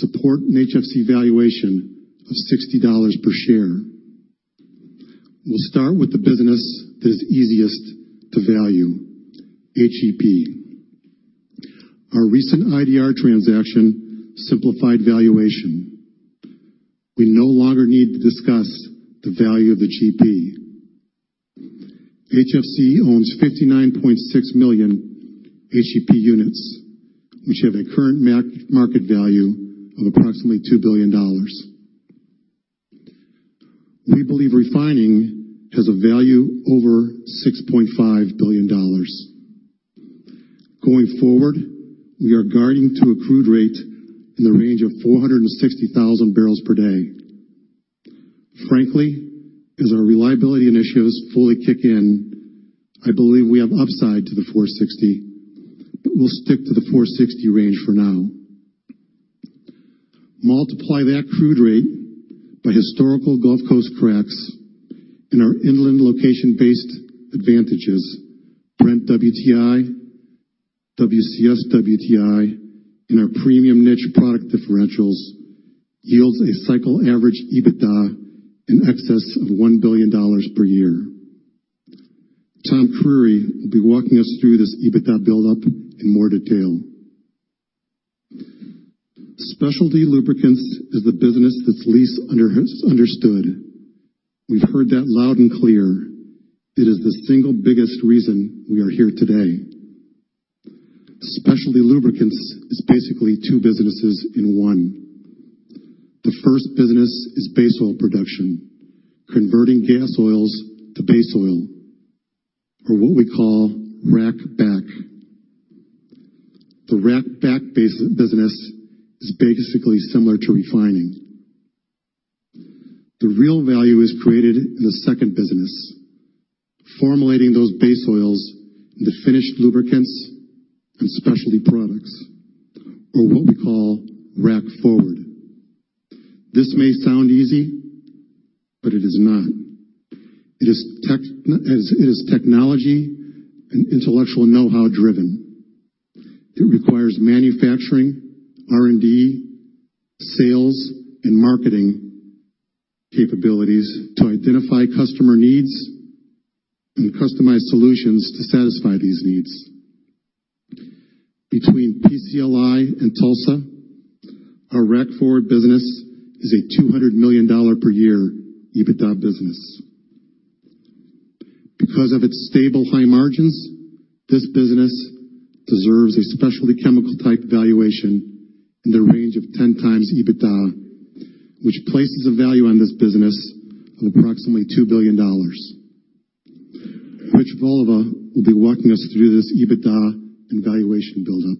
Support an HFC valuation of $60 per share. We will start with the business that is easiest to value, HEP. Our recent IDR transaction simplified valuation. We no longer need to discuss the value of the GP. HFC owns 59.6 million HEP units, which have a current market value of approximately $2 billion. We believe refining has a value over $6.5 billion. Going forward, we are guiding to a crude rate in the range of 460,000 barrels per day. Frankly, as our reliability initiatives fully kick in, I believe we have upside to the 460, but we will stick to the 460 range for now. Multiply that crude rate by historical Gulf Coast cracks and our inland location-based advantages, Brent-WTI, WCS-WTI, and our premium niche product differentials yields a cycle average EBITDA in excess of $1 billion per year. Tom Creery will be walking us through this EBITDA buildup in more detail. Specialty lubricants is the business that is least understood. We have heard that loud and clear. It is the single biggest reason we are here today. Specialty lubricants is basically two businesses in one. The first business is base oil production, converting gas oils to base oil, or what we call rack back. The rack back business is basically similar to refining. The real value is created in the second business, formulating those base oils into finished lubricants and specialty products, or what we call rack forward. This may sound easy, but it is not. It is technology and intellectual know-how driven. It requires manufacturing, R&D, sales, and marketing capabilities to identify customer needs and customize solutions to satisfy these needs. Between PCLI and Tulsa, our rack forward business is a $200 million per year EBITDA business. This business deserves a specialty chemical type valuation in the range of 10 times EBITDA, which places a value on this business of approximately $2 billion. Rich Voliva will be walking us through this EBITDA and valuation buildup.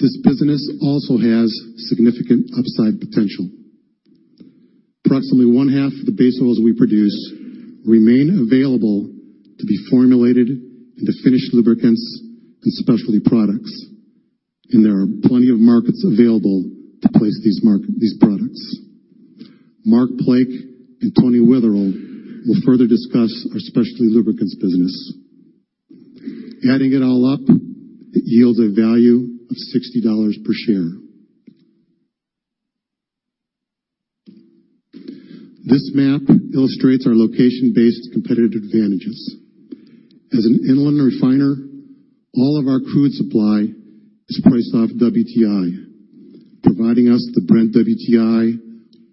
This business also has significant upside potential. Approximately one half of the base oils we produce remain available to be formulated into finished lubricants and specialty products, and there are plenty of markets available to place these products. Mark Plake and Tony Weatherill will further discuss our specialty lubricants business. Adding it all up, it yields a value of $60 per share. This map illustrates our location-based competitive advantages. As an inland refiner, all of our crude supply is priced off WTI, providing us the Brent-WTI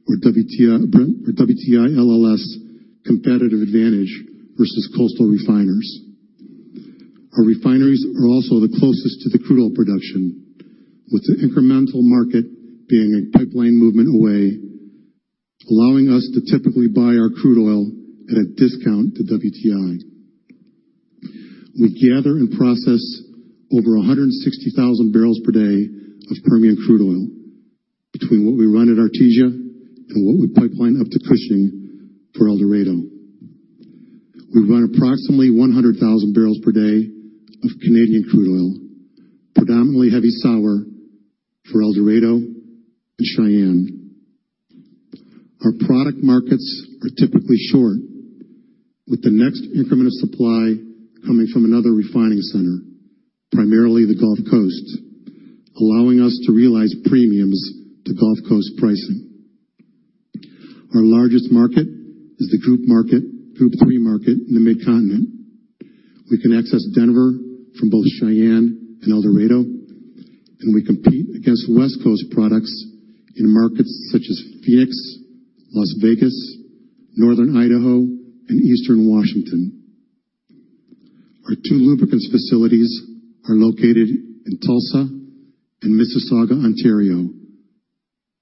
or WTI-LLS competitive advantage versus coastal refiners. Our refineries are also the closest to the crude oil production, with the incremental market being a pipeline movement away, allowing us to typically buy our crude oil at a discount to WTI. We gather and process over 160,000 barrels per day of Permian crude oil between what we run at Artesia and what we pipeline up to Cushing for El Dorado. We run approximately 100,000 barrels per day of Canadian crude oil, predominantly heavy sour for El Dorado and Cheyenne. Our product markets are typically short, with the next increment of supply coming from another refining center, primarily the Gulf Coast, allowing us to realize premiums to Gulf Coast pricing. Our largest market is the Group 3 market in the mid-continent. We can access Denver from both Cheyenne and El Dorado, we compete against West Coast products in markets such as Phoenix, Las Vegas, northern Idaho, and eastern Washington. Our two lubricants facilities are located in Tulsa and Mississauga, Ontario,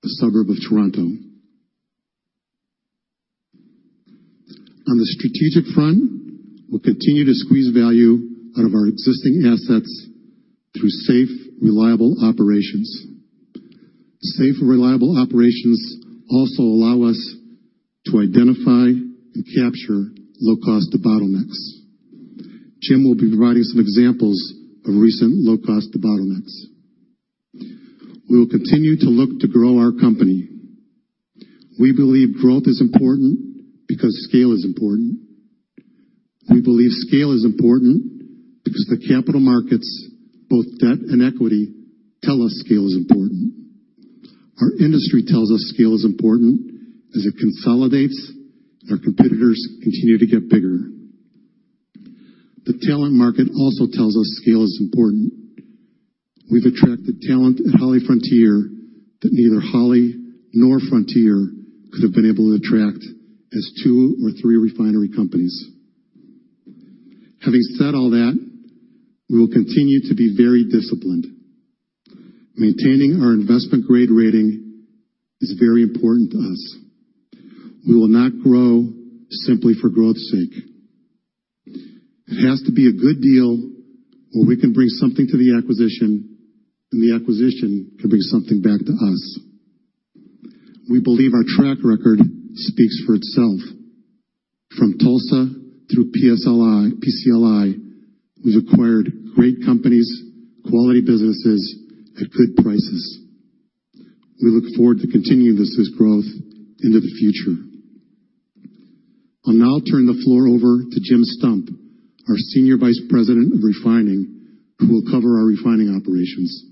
a suburb of Toronto. On the strategic front, we'll continue to squeeze value out of our existing assets through safe, reliable operations. Safe and reliable operations also allow us to identify and capture low-cost bottlenecks. Jim Stump will be providing some examples of recent low-cost bottlenecks. We will continue to look to grow our company. We believe growth is important because scale is important. We believe scale is important because the capital markets, both debt and equity, tell us scale is important. Our industry tells us scale is important as it consolidates and our competitors continue to get bigger. The talent market also tells us scale is important. We've attracted talent at HollyFrontier that neither Holly nor Frontier could have been able to attract as two or three refinery companies. Having said all that, we will continue to be very disciplined. Maintaining our investment grade rating is very important to us. We will not grow simply for growth's sake. It has to be a good deal where we can bring something to the acquisition, and the acquisition can bring something back to us. We believe our track record speaks for itself. From Tulsa through PCLI, we've acquired great companies, quality businesses at good prices. We look forward to continuing this growth into the future. I'll now turn the floor over to Jim Stump, our Senior Vice President of Refining, who will cover our refining operations.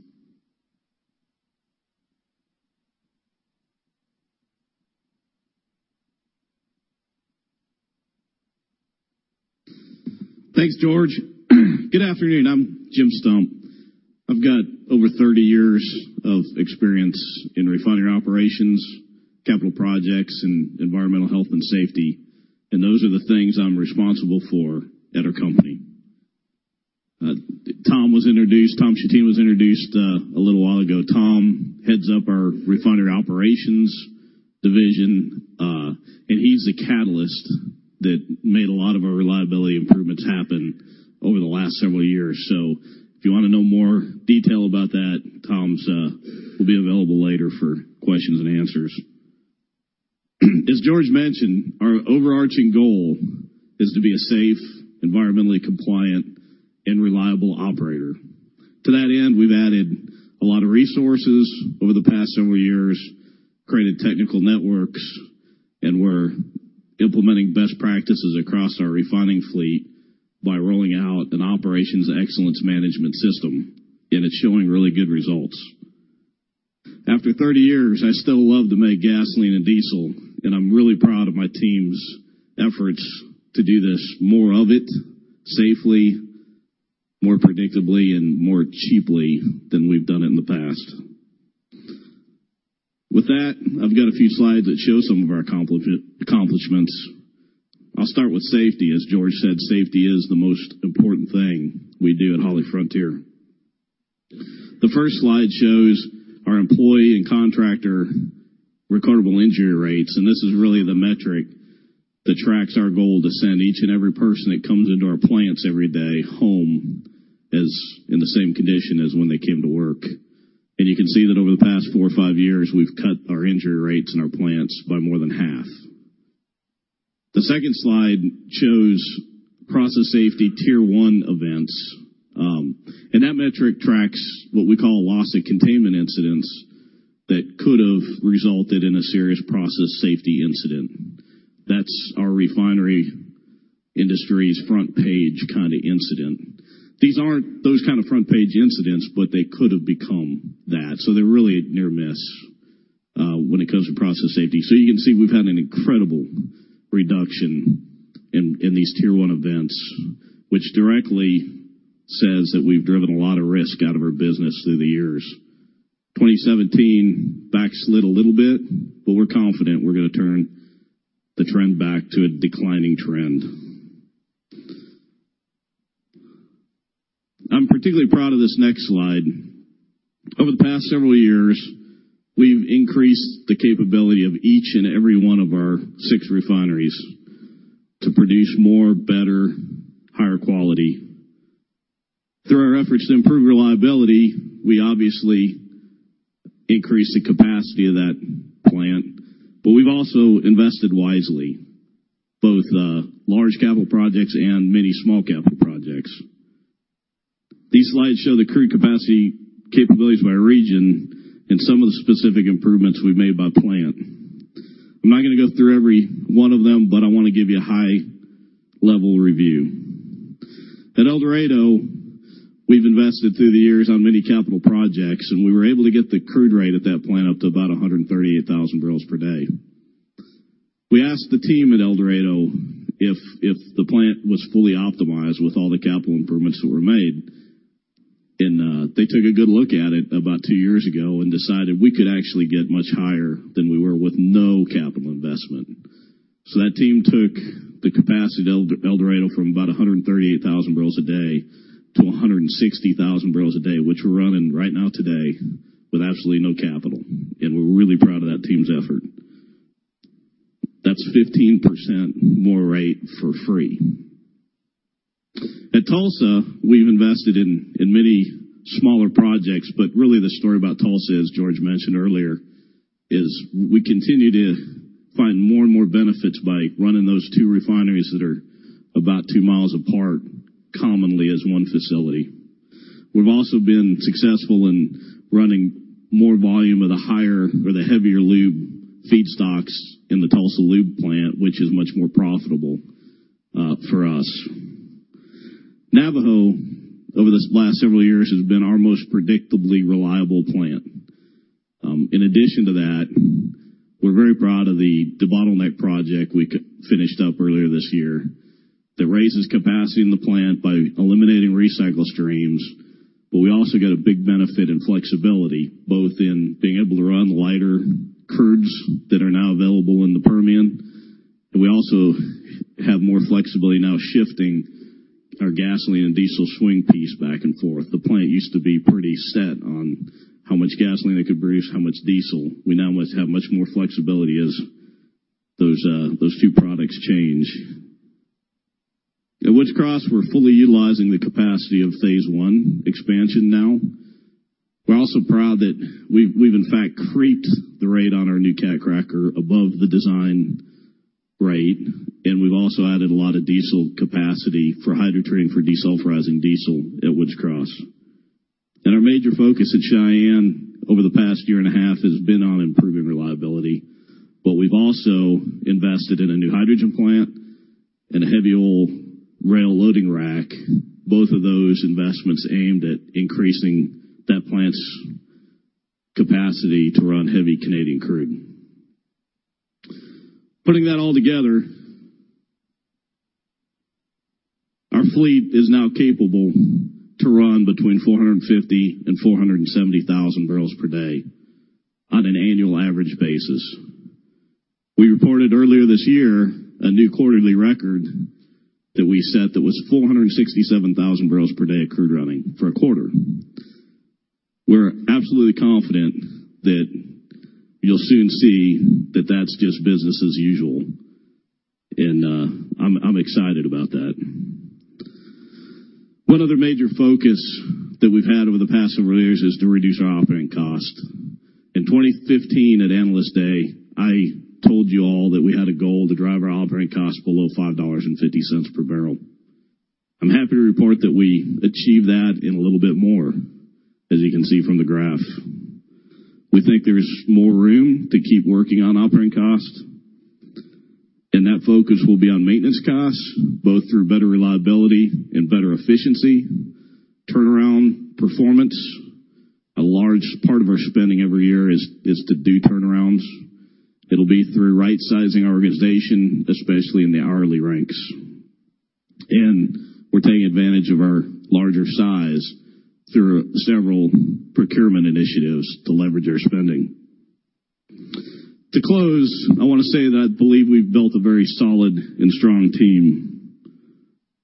Thanks, George. Good afternoon. I'm Jim Stump. I've got over 30 years of experience in refinery operations, capital projects, and environmental health and safety. Those are the things I'm responsible for at our company. Tom Chattin was introduced a little while ago. Tom heads up our refinery operations division. He's the catalyst that made a lot of our reliability improvements happen over the last several years. If you want to know more detail about that, Tom will be available later for questions and answers. As George mentioned, our overarching goal is to be a safe, environmentally compliant, and reliable operator. To that end, we've added a lot of resources over the past several years, created technical networks, and we're implementing best practices across our refining fleet by rolling out an Operations Excellence Management System, and it's showing really good results. After 30 years, I still love to make gasoline and diesel, I'm really proud of my team's efforts to do this, more of it safely, more predictably, and more cheaply than we've done it in the past. With that, I've got a few slides that show some of our accomplishments. I'll start with safety. As George said, safety is the most important thing we do at HollyFrontier. The first slide shows our employee and contractor recordable injury rates, this is really the metric that tracks our goal to send each and every person that comes into our plants every day home, in the same condition as when they came to work. You can see that over the past four or five years, we've cut our injury rates in our plants by more than half. The second slide shows Process Safety Tier 1 Events. That metric tracks what we call loss of containment incidents that could have resulted in a serious process safety incident. That's our refinery industry's front page kind of incident. These aren't those kind of front-page incidents, but they could have become that. They're really near miss when it comes to process safety. You can see we've had an incredible reduction in these tier 1 events, which directly says that we've driven a lot of risk out of our business through the years. 2017 back slid a little bit, but we're confident we're going to turn the trend back to a declining trend. I'm particularly proud of this next slide. Over the past several years, we've increased the capability of each and every one of our six refineries to produce more, better, higher quality. Through our efforts to improve reliability, we obviously increased the capacity of that plant, we've also invested wisely, both large capital projects and many small capital projects. These slides show the crude capacity capabilities by region and some of the specific improvements we've made by plant. I'm not going to go through every one of them, but I want to give you a high-level review. At El Dorado, we've invested through the years on many capital projects, we were able to get the crude rate at that plant up to about 138,000 barrels per day. We asked the team at El Dorado if the plant was fully optimized with all the capital improvements that were made. They took a good look at it about two years ago and decided we could actually get much higher than we were with no capital investment. That team took the capacity at El Dorado from about 138,000 barrels a day to 160,000 barrels a day, which we're running right now today with absolutely no capital. We're really proud of that team's effort. That's 15% more rate for free. At Tulsa, we've invested in many smaller projects, really the story about Tulsa, as George mentioned earlier is we continue to find more and more benefits by running those two refineries that are about two miles apart commonly as one facility. We've also been successful in running more volume of the higher or the heavier lube feedstocks in the Tulsa lube plant, which is much more profitable for us. Navajo, over this last several years, has been our most predictably reliable plant. In addition to that, we're very proud of the bottleneck project we finished up earlier this year that raises capacity in the plant by eliminating recycle streams, we also get a big benefit in flexibility, both in being able to run lighter crudes that are now available in the Permian, we also have more flexibility now shifting our gasoline and diesel swing piece back and forth. The plant used to be pretty set on how much gasoline it could produce, how much diesel. We now have much more flexibility as those two products change. At Woods Cross, we're fully utilizing the capacity of phase 1 expansion now. We're also proud that we've in fact creeped the rate on our new cat cracker above the design rate, we've also added a lot of diesel capacity for hydrotreating for desulfurizing diesel at Woods Cross. Our major focus at Cheyenne over the past year and a half has been on improving reliability. We've also invested in a new hydrogen plant and a heavy oil rail loading rack. Both of those investments aimed at increasing that plant's capacity to run heavy Canadian crude. Putting that all together, our fleet is now capable to run between 450,000 and 470,000 barrels per day on an annual average basis. We reported earlier this year a new quarterly record that we set that was 467,000 barrels per day crude running for a quarter. We're absolutely confident that you'll soon see that that's just business as usual, and I'm excited about that. One other major focus that we've had over the past several years is to reduce our operating cost. In 2015 at Analyst Day, I told you all that we had a goal to drive our operating cost below $5.50 per barrel. I'm happy to report that we achieved that and a little bit more, as you can see from the graph. We think there's more room to keep working on operating cost, and that focus will be on maintenance costs, both through better reliability and better efficiency, turnaround performance. A large part of our spending every year is to do turnarounds. It'll be through right-sizing our organization, especially in the hourly ranks. We're taking advantage of our larger size through several procurement initiatives to leverage our spending. To close, I want to say that I believe we've built a very solid and strong team.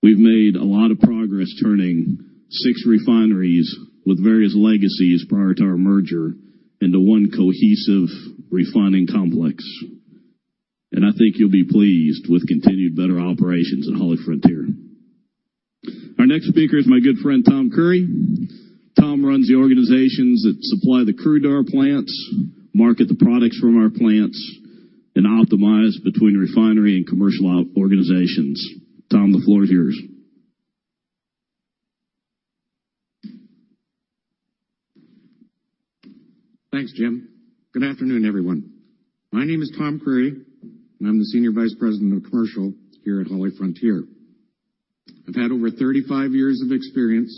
We've made a lot of progress turning six refineries with various legacies prior to our merger into one cohesive refining complex. I think you'll be pleased with continued better operations at HollyFrontier. Our next speaker is my good friend Tom Creery. Tom runs the organizations that supply the crude to our plants, market the products from our plants, and optimize between refinery and commercial organizations. Tom, the floor is yours. Thanks, Jim. Good afternoon, everyone. My name is Tom Creery, and I'm the Senior Vice President of Commercial here at HollyFrontier. I've had over 35 years of experience,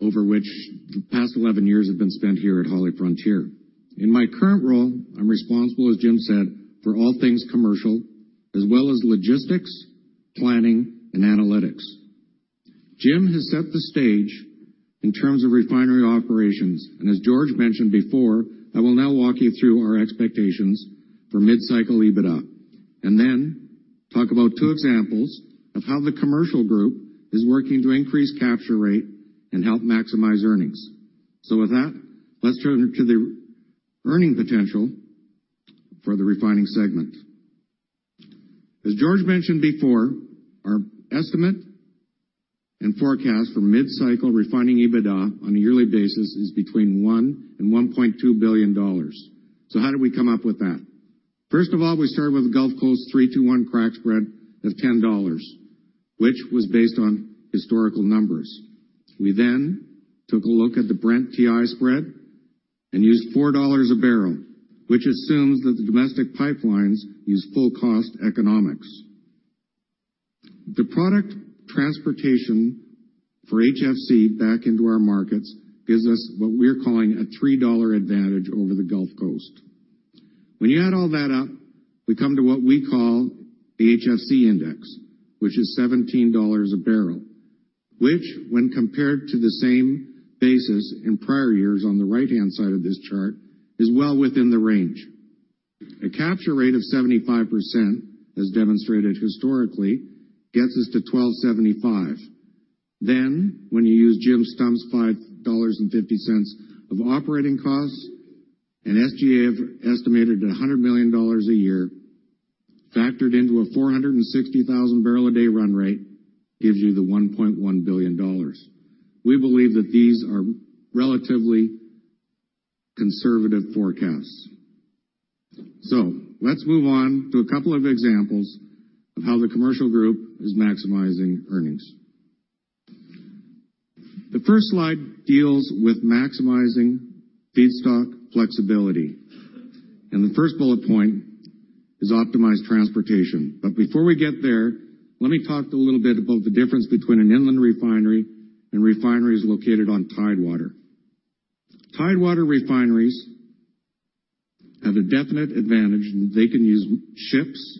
over which the past 11 years have been spent here at HollyFrontier. In my current role, I'm responsible, as Jim said, for all things commercial, as well as logistics, planning, and analytics. Jim has set the stage in terms of refinery operations, and as George mentioned before, I will now walk you through our expectations for mid-cycle EBITDA, and then talk about two examples of how the commercial group is working to increase capture rate and help maximize earnings. With that, let's turn to the earning potential for the refining segment. As George mentioned before, our estimate and forecast for mid-cycle refining EBITDA on a yearly basis is between $1 billion and $1.2 billion. How did we come up with that? First of all, we started with the Gulf Coast 3-2-1 crack spread of $10, which was based on historical numbers. We took a look at the Brent-WTI spread and used $4 a barrel, which assumes that the domestic pipelines use full cost economics. The product transportation for HFC back into our markets gives us what we're calling a $3 advantage over the Gulf Coast. You add all that up, we come to what we call the HFC index, which is $17 a barrel, which when compared to the same basis in prior years on the right-hand side of this chart, is well within the range. A capture rate of 75%, as demonstrated historically, gets us to $12.75. When you use Jim Stump's $5.50 of operating costs and SG&A estimated at $100 million a year Factored into a 460,000 barrel a day run rate gives you the $1.1 billion. We believe that these are relatively conservative forecasts. Let's move on to a couple of examples of how the commercial group is maximizing earnings. The first slide deals with maximizing feedstock flexibility, and the first bullet point is optimized transportation. Before we get there, let me talk a little bit about the difference between an inland refinery and refineries located on tidewater. Tidewater refineries have a definite advantage. They can use ships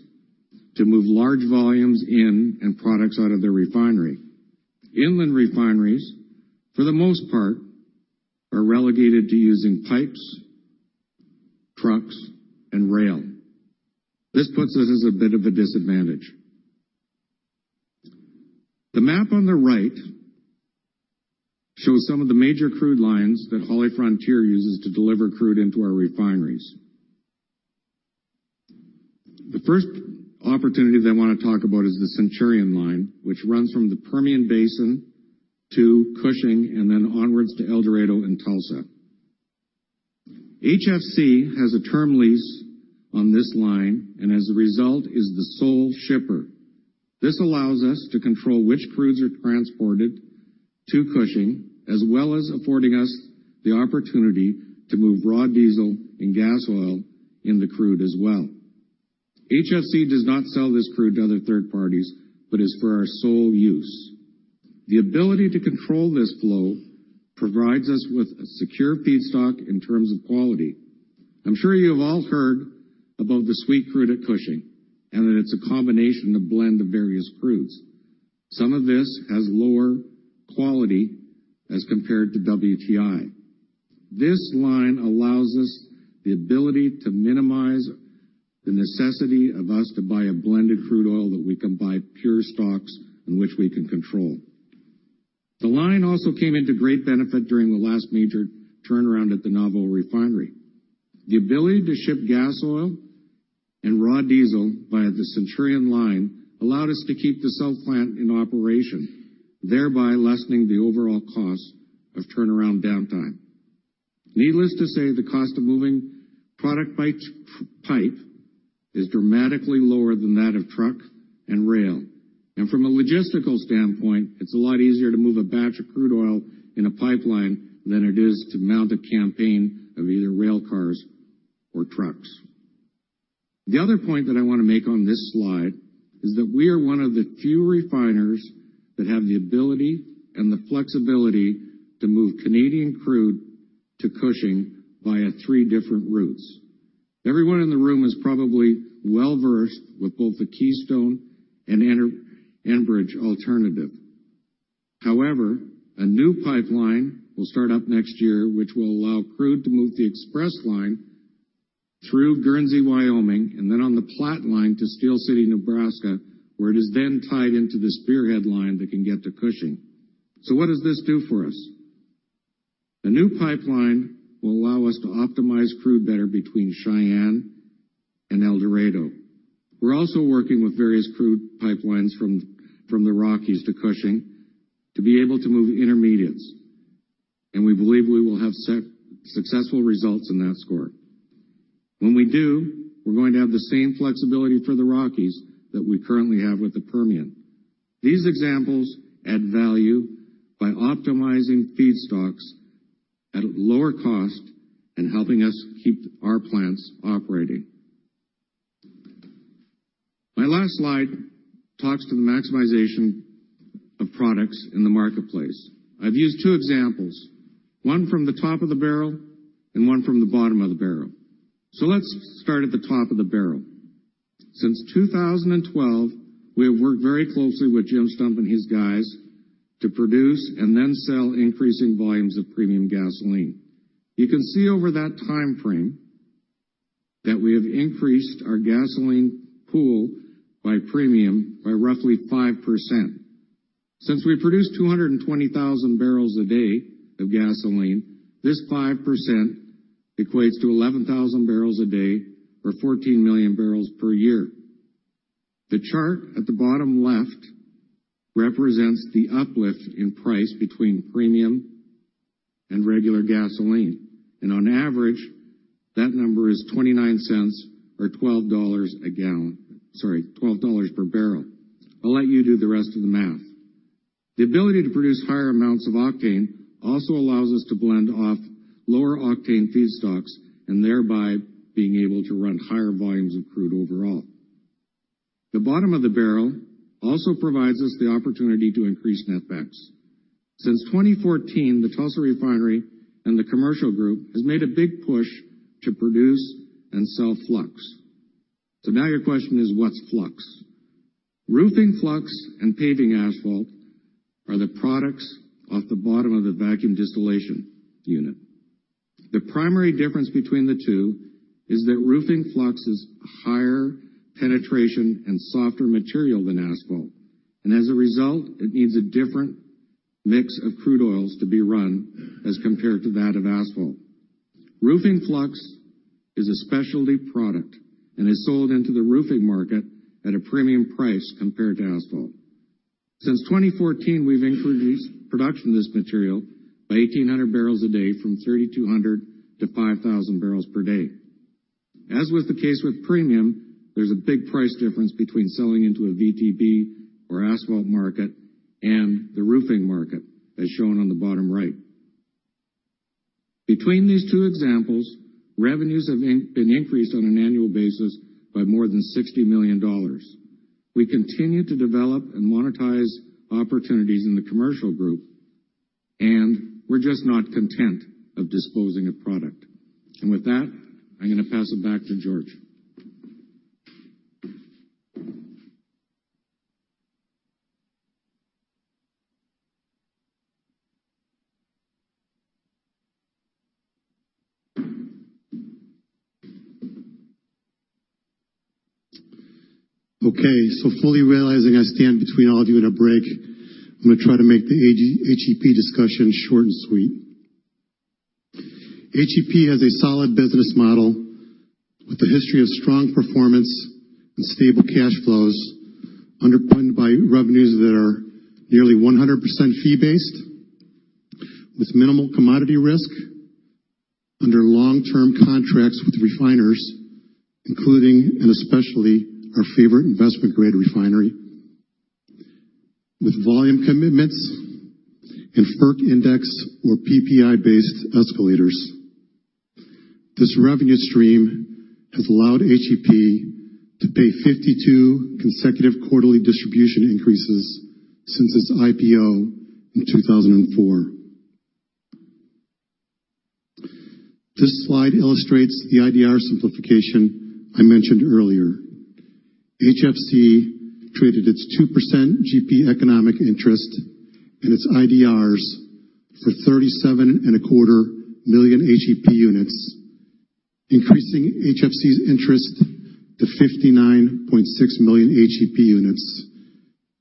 to move large volumes in and products out of their refinery. Inland refineries, for the most part, are relegated to using pipes, trucks, and rail. This puts us at a bit of a disadvantage. The map on the right shows some of the major crude lines that HollyFrontier uses to deliver crude into our refineries. The first opportunity that I want to talk about is the Centurion line, which runs from the Permian Basin to Cushing and then onwards to El Dorado and Tulsa. HFC has a term lease on this line and as a result, is the sole shipper. This allows us to control which crudes are transported to Cushing, as well as affording us the opportunity to move raw diesel and gas oil in the crude as well. HFC does not sell this crude to other third parties, but is for our sole use. The ability to control this flow provides us with a secure feedstock in terms of quality. I'm sure you have all heard about the sweet crude at Cushing, and that it's a combination of blend of various crudes. Some of this has lower quality as compared to WTI. This line allows us the ability to minimize the necessity of us to buy a blended crude oil, that we can buy pure stocks in which we can control. The line also came into great benefit during the last major turnaround at the Navajo refinery. The ability to ship gas oil and raw diesel via the Centurion line allowed us to keep the [south] plant in operation, thereby lessening the overall cost of turnaround downtime. Needless to say, the cost of moving product by pipe is dramatically lower than that of truck and rail. From a logistical standpoint, it's a lot easier to move a batch of crude oil in a pipeline than it is to mount a campaign of either rail cars or trucks. The other point that I want to make on this slide is that we are one of the few refiners that have the ability and the flexibility to move Canadian crude to Cushing via three different routes. Everyone in the room is probably well-versed with both the Keystone and Enbridge alternative. However, a new pipeline will start up next year, which will allow crude to move the Express line through Guernsey, Wyoming, and then on the Platte line to Steele City, Nebraska, where it is then tied into the Spearhead line that can get to Cushing. What does this do for us? The new pipeline will allow us to optimize crude better between Cheyenne and El Dorado. We are also working with various crude pipelines from the Rockies to Cushing to be able to move intermediates, and we believe we will have successful results in that score. When we do, we are going to have the same flexibility for the Rockies that we currently have with the Permian. These examples add value by optimizing feedstocks at lower cost and helping us keep our plants operating. My last slide talks to the maximization of products in the marketplace. I have used two examples, one from the top of the barrel and one from the bottom of the barrel. Let us start at the top of the barrel. Since 2012, we have worked very closely with Jim Stump and his guys to produce and then sell increasing volumes of premium gasoline. You can see over that timeframe that we have increased our gasoline pool by premium by roughly 5%. Since we produced 220,000 barrels a day of gasoline, this 5% equates to 11,000 barrels a day or 14 million barrels per year. The chart at the bottom left represents the uplift in price between premium and regular gasoline. On average, that number is $0.29 or $12 a gallon. Sorry, $12 per barrel. I will let you do the rest of the math. The ability to produce higher amounts of octane also allows us to blend off lower octane feedstocks and thereby being able to run higher volumes of crude overall. The bottom of the barrel also provides us the opportunity to increase net backs. Since 2014, the Tulsa refinery and the commercial group has made a big push to produce and sell flux. Now your question is, what is flux? Roofing flux and paving asphalt are the products off the bottom of the vacuum distillation unit. The primary difference between the two is that roofing flux is higher penetration and softer material than asphalt. As a result, it needs a different mix of crude oils to be run as compared to that of asphalt. Roofing flux is a specialty product and is sold into the roofing market at a premium price compared to asphalt. Since 2014, we have increased production of this material by 1,800 barrels a day from 3,200 to 5,000 barrels per day. As was the case with premium, there is a big price difference between selling into a VTB or asphalt market and the roofing market, as shown on the bottom right. Between these two examples, revenues have been increased on an annual basis by more than $60 million. We continue to develop and monetize opportunities in the commercial group. We are just not content of disposing a product. With that, I'm going to pass it back to George. Fully realizing I stand between all of you and a break, I'm going to try to make the HEP discussion short and sweet. HEP has a solid business model with a history of strong performance and stable cash flows, underpinned by revenues that are nearly 100% fee-based, with minimal commodity risk, under long-term contracts with refiners, including and especially our favorite investment-grade refinery. With volume commitments and FERC index or PPI-based escalators. This revenue stream has allowed HEP to pay 52 consecutive quarterly distribution increases since its IPO in 2004. This slide illustrates the IDR simplification I mentioned earlier. HFC traded its 2% GP economic interest in its IDRs for $37.25 million HEP units, increasing HFC's interest to 59.6 million HEP units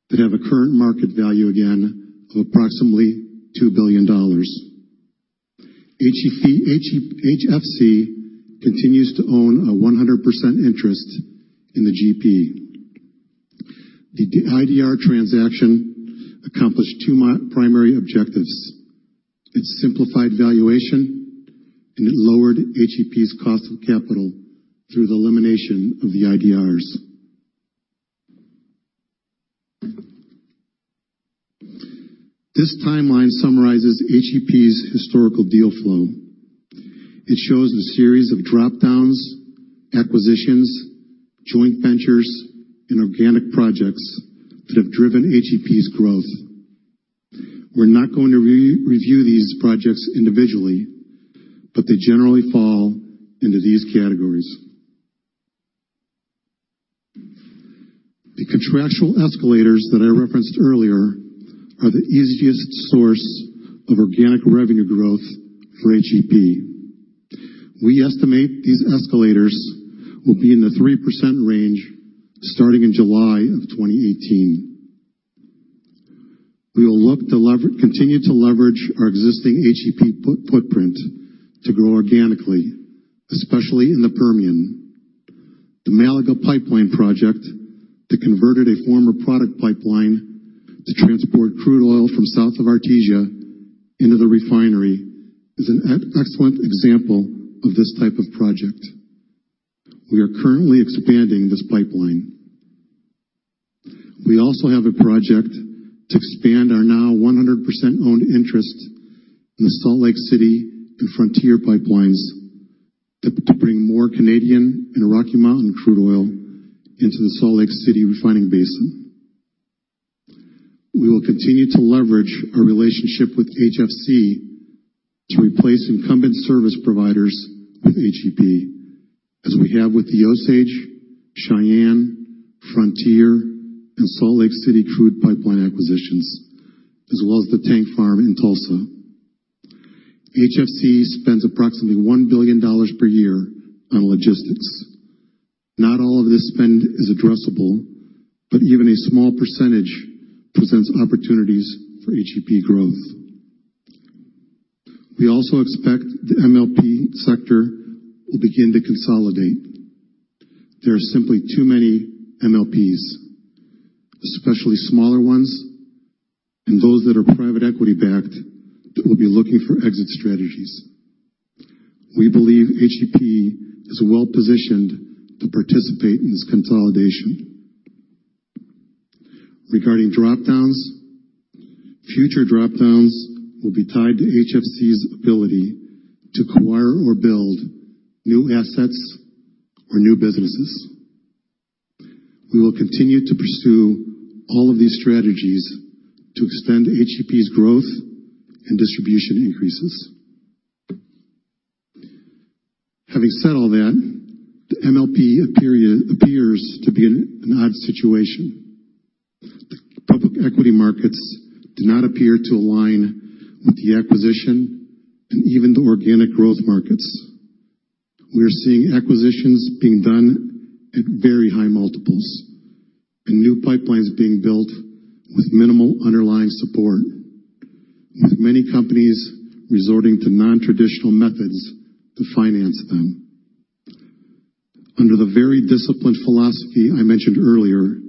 that have a current market value again of approximately $2 billion. HFC continues to own a 100% interest in the GP. The IDR transaction accomplished two primary objectives. It simplified valuation, and it lowered HEP's cost of capital through the elimination of the IDRs. This timeline summarizes HEP's historical deal flow. It shows a series of drop-downs, acquisitions, joint ventures, and organic projects that have driven HEP's growth. We're not going to review these projects individually, but they generally fall into these categories. The contractual escalators that I referenced earlier are the easiest source of organic revenue growth for HEP. We estimate these escalators will be in the 3% range starting in July of 2018. We will look to continue to leverage our existing HEP footprint to grow organically, especially in the Permian. The Malaga Pipeline project that converted a former product pipeline to transport crude oil from south of Artesia into the refinery is an excellent example of this type of project. We are currently expanding this pipeline. We also have a project to expand our now 100% owned interest in the Salt Lake City and Frontier Pipelines to bring more Canadian and Rocky Mountain crude oil into the Salt Lake City refining basin. We will continue to leverage our relationship with HFC to replace incumbent service providers with HEP, as we have with the Osage, Cheyenne, Frontier, and Salt Lake City crude pipeline acquisitions, as well as the tank farm in Tulsa. HFC spends approximately $1 billion per year on logistics. Not all of this spend is addressable, but even a small percentage presents opportunities for HEP growth. We also expect the MLP sector will begin to consolidate. There are simply too many MLPs, especially smaller ones and those that are private equity-backed, that will be looking for exit strategies. We believe HEP is well-positioned to participate in this consolidation. Regarding drop-downs, future drop-downs will be tied to HFC's ability to acquire or build new assets or new businesses. We will continue to pursue all of these strategies to extend HEP's growth and distribution increases. Having said all that, the MLP appears to be in an odd situation. Public equity markets do not appear to align with the acquisition and even the organic growth markets. We are seeing acquisitions being done at very high multiples. New pipelines being built with minimal underlying support, with many companies resorting to non-traditional methods to finance them. Under the very disciplined philosophy I mentioned earlier,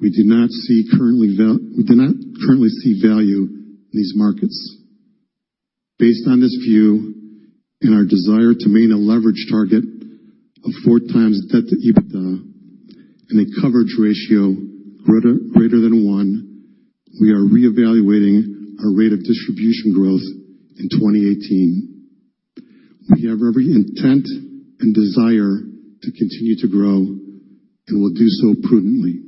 we do not currently see value in these markets. Based on this view and our desire to maintain a leverage target of four times debt to EBITDA and a coverage ratio greater than one, we are reevaluating our rate of distribution growth in 2018. We have every intent and desire to continue to grow and will do so prudently.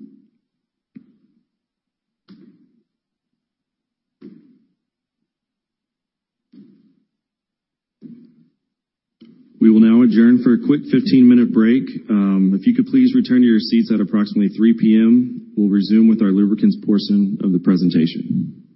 We will now adjourn for a quick 15-minute break. If you could please return to your seats at approximately 3:00 P.M., we'll resume with our lubricants portion of the presentation. I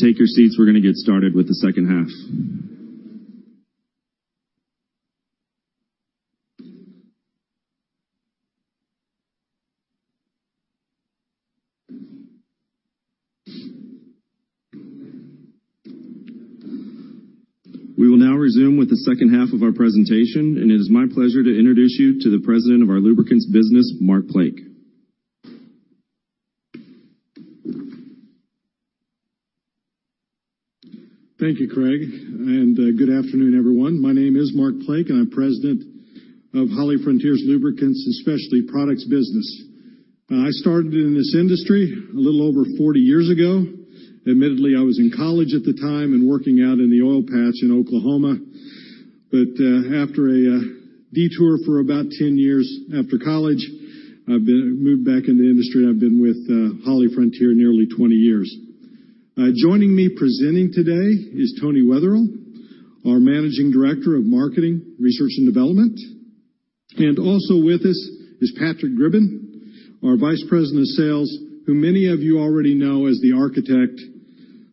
their timing will come together. Perhaps they'll burn in the sunny Decembers forever. We'll be able If you guys want to take your seats, we're going to get started with the second half. We will now resume with the second half of our presentation. It is my pleasure to introduce you to the President of our Lubricants Business, Mark Plake. Thank you, Craig. Good afternoon, everyone. My name is Mark Plake, and I'm President of HollyFrontier's Lubricants and Specialty Products Business. I started in this industry a little over 40 years ago. Admittedly, I was in college at the time and working out in the oil patch in Oklahoma. After a detour for about 10 years after college, I've moved back into the industry, and I've been with HollyFrontier nearly 20 years. Joining me presenting today is Tony Weatherill, our Managing Director of Marketing, Research and Development. Also with us is Patrick Gribben, our Vice President of Sales, who many of you already know as the architect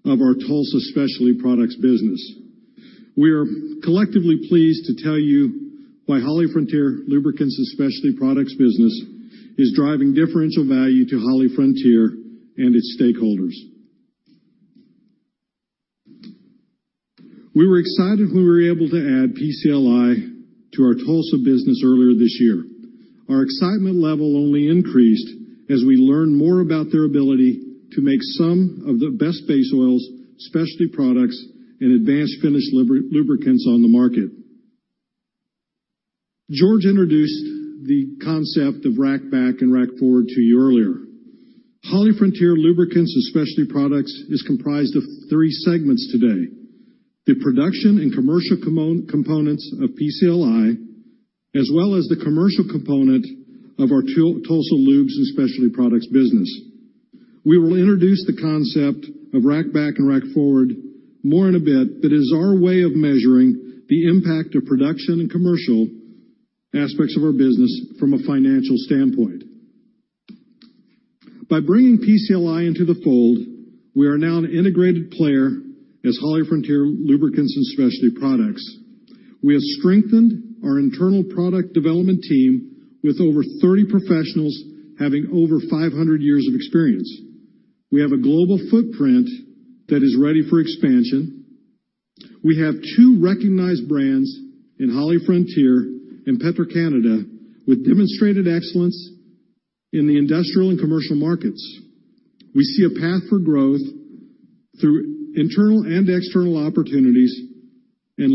of our Tulsa Specialty Products Business. We are collectively pleased to tell you why HollyFrontier Lubricants and Specialty Products Business is driving differential value to HollyFrontier and its stakeholders. We were excited we were able to add PCLI to our Tulsa business earlier this year. Our excitement level only increased as we learned more about their ability to make some of the best base oils, specialty products, and advanced finished lubricants on the market. George introduced the concept of rack back and rack forward to you earlier. HollyFrontier Lubricants and Specialty Products is comprised of three segments today. The production and commercial components of PCLI, as well as the commercial component of our Tulsa Lubes and Specialty Products business. We will introduce the concept of rack back and rack forward more in a bit. That is our way of measuring the impact of production and commercial aspects of our business from a financial standpoint. By bringing PCLI into the fold, we are now an integrated player as HollyFrontier Lubricants and Specialty Products. We have strengthened our internal product development team with over 30 professionals having over 500 years of experience. We have a global footprint that is ready for expansion. We have two recognized brands in HollyFrontier and Petro-Canada, with demonstrated excellence in the industrial and commercial markets.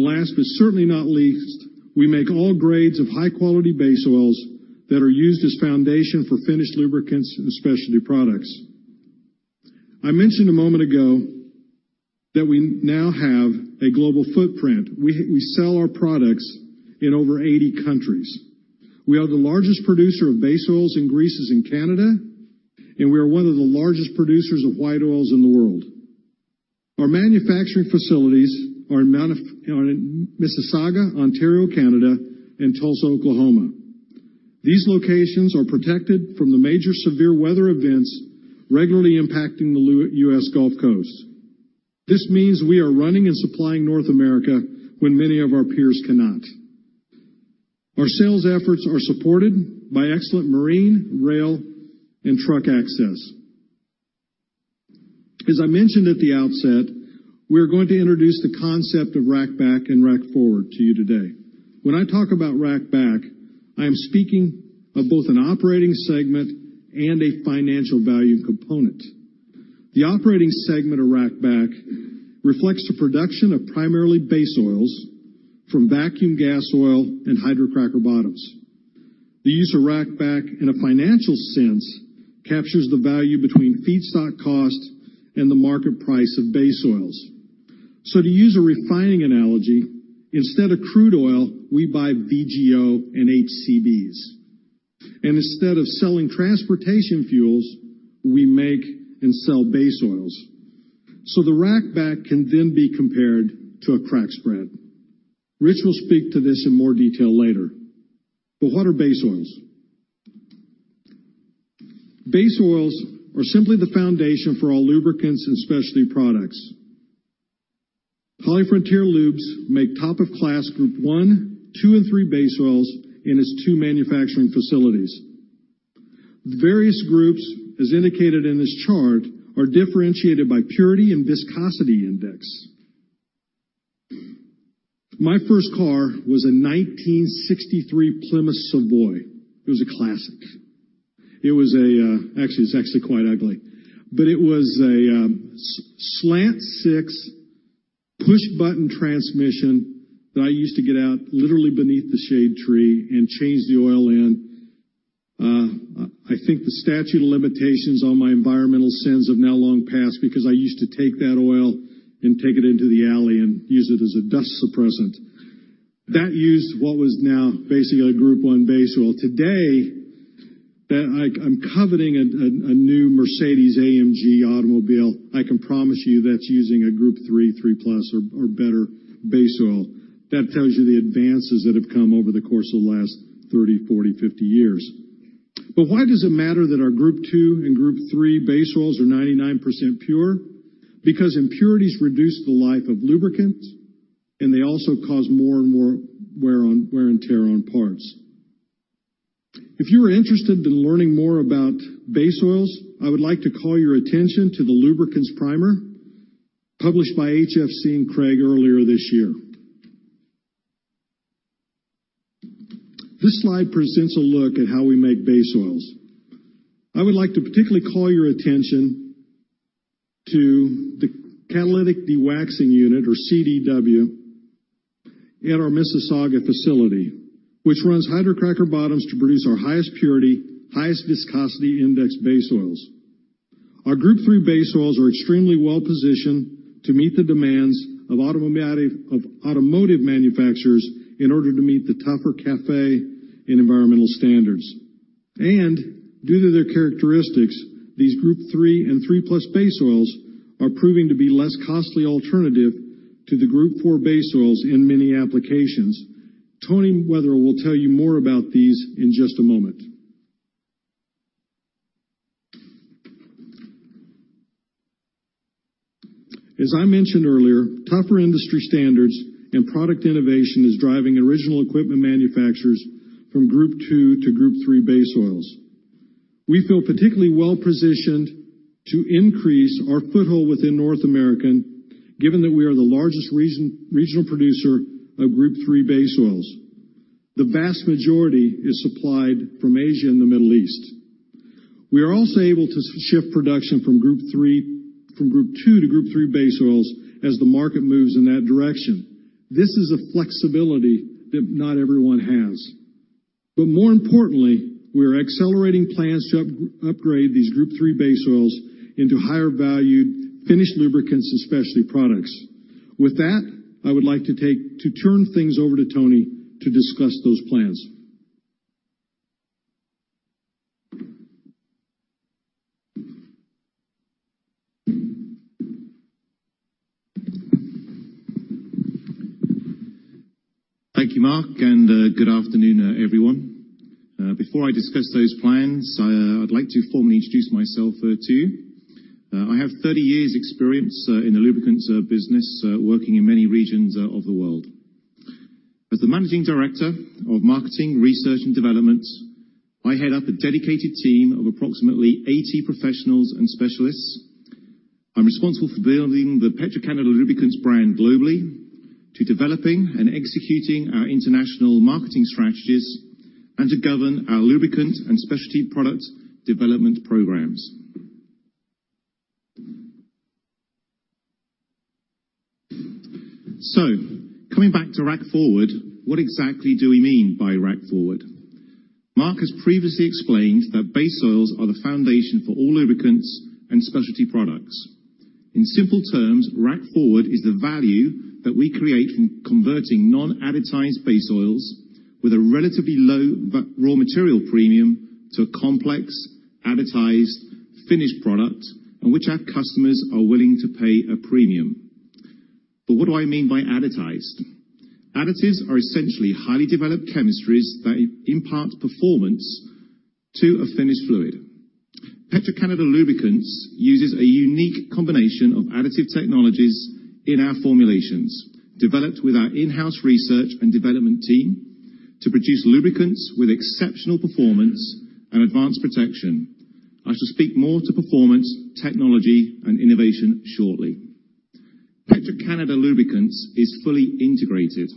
Last but certainly not least, we make all grades of high-quality base oils that are used as foundation for finished lubricants and specialty products. I mentioned a moment ago that we now have a global footprint. We sell our products in over 80 countries. We are the largest producer of base oils and greases in Canada, and we are one of the largest producers of white oils in the world. Our manufacturing facilities are in Mississauga, Ontario, Canada, and Tulsa, Oklahoma. These locations are protected from the major severe weather events regularly impacting the U.S. Gulf Coast. This means we are running and supplying North America when many of our peers cannot. Our sales efforts are supported by excellent marine, rail, and truck access. As I mentioned at the outset, we're going to introduce the concept of rack back and rack forward to you today. When I talk about rack back, I am speaking of both an operating segment and a financial value component. The operating segment of rack back reflects the production of primarily base oils from vacuum gas oil and hydrocracker bottoms. The use of rack back in a financial sense captures the value between feedstock cost and the market price of base oils. To use a refining analogy, instead of crude oil, we buy VGO and HCBs, and instead of selling transportation fuels, we make and sell base oils. The rack back can then be compared to a crack spread. Rich will speak to this in more detail later. What are base oils? Base oils are simply the foundation for all lubricants and specialty products. HollyFrontier Lubes make top of class Group I, II, and III base oils in its two manufacturing facilities. Various groups, as indicated in this chart, are differentiated by purity and viscosity index. My first car was a 1963 Plymouth Savoy. It was a classic. It was actually quite ugly, but it was a slant six push button transmission that I used to get out literally beneath the shade tree and change the oil in. I think the statute of limitations on my environmental sins have now long passed because I used to take that oil and take it into the alley and use it as a dust suppressant. That used what was now basically a Group I base oil. Today, I'm coveting a new Mercedes-AMG automobile. I can promise you that's using a Group III+ or better base oil. That tells you the advances that have come over the course of the last 30, 40, 50 years. Why does it matter that our Group II and Group III base oils are 99% pure? Because impurities reduce the life of lubricants, and they also cause more and more wear and tear on parts. If you are interested in learning more about base oils, I would like to call your attention to the lubricants primer published by HFC and Craig earlier this year. This slide presents a look at how we make base oils. I would like to particularly call your attention to the catalytic dewaxing unit, or CDW, at our Mississauga facility, which runs hydrocracker bottoms to produce our highest purity, highest viscosity index base oils. Our Group III base oils are extremely well-positioned to meet the demands of automotive manufacturers in order to meet the tougher CAFE and environmental standards. Due to their characteristics, these Group III and III+ base oils are proving to be less costly alternative to the Group IV base oils in many applications. Tony Weatherill will tell you more about these in just a moment. As I mentioned earlier, tougher industry standards and product innovation is driving original equipment manufacturers from Group II to Group III base oils. We feel particularly well-positioned to increase our foothold within North America, given that we are the largest regional producer of Group III base oils. The vast majority is supplied from Asia and the Middle East. We are also able to shift production from Group II to Group III base oils as the market moves in that direction. This is a flexibility that not everyone has. More importantly, we are accelerating plans to upgrade these Group III base oils into higher-valued finished lubricants and specialty products. With that, I would like to turn things over to Tony Weatherill to discuss those plans. Thank you, Mark Plake, and good afternoon, everyone. Before I discuss those plans, I'd like to formally introduce myself to you. I have 30 years experience in the lubricants business, working in many regions of the world. As the Managing Director of Marketing, Research and Development, I head up a dedicated team of approximately 80 professionals and specialists. I'm responsible for building the Petro-Canada Lubricants brand globally, to developing and executing our international marketing strategies, and to govern our lubricant and specialty product development programs. Coming back to rack forward, what exactly do we mean by rack forward? Mark Plake has previously explained that base oils are the foundation for all lubricants and specialty products. In simple terms, rack forward is the value that we create from converting non-additized base oils with a relatively low raw material premium to a complex additized finished product on which our customers are willing to pay a premium. What do I mean by additized? Additives are essentially highly developed chemistries that impart performance to a finished fluid. Petro-Canada Lubricants uses a unique combination of additive technologies in our formulations, developed with our in-house research and development team to produce lubricants with exceptional performance and advanced protection. I shall speak more to performance, technology, and innovation shortly. Petro-Canada Lubricants is fully integrated.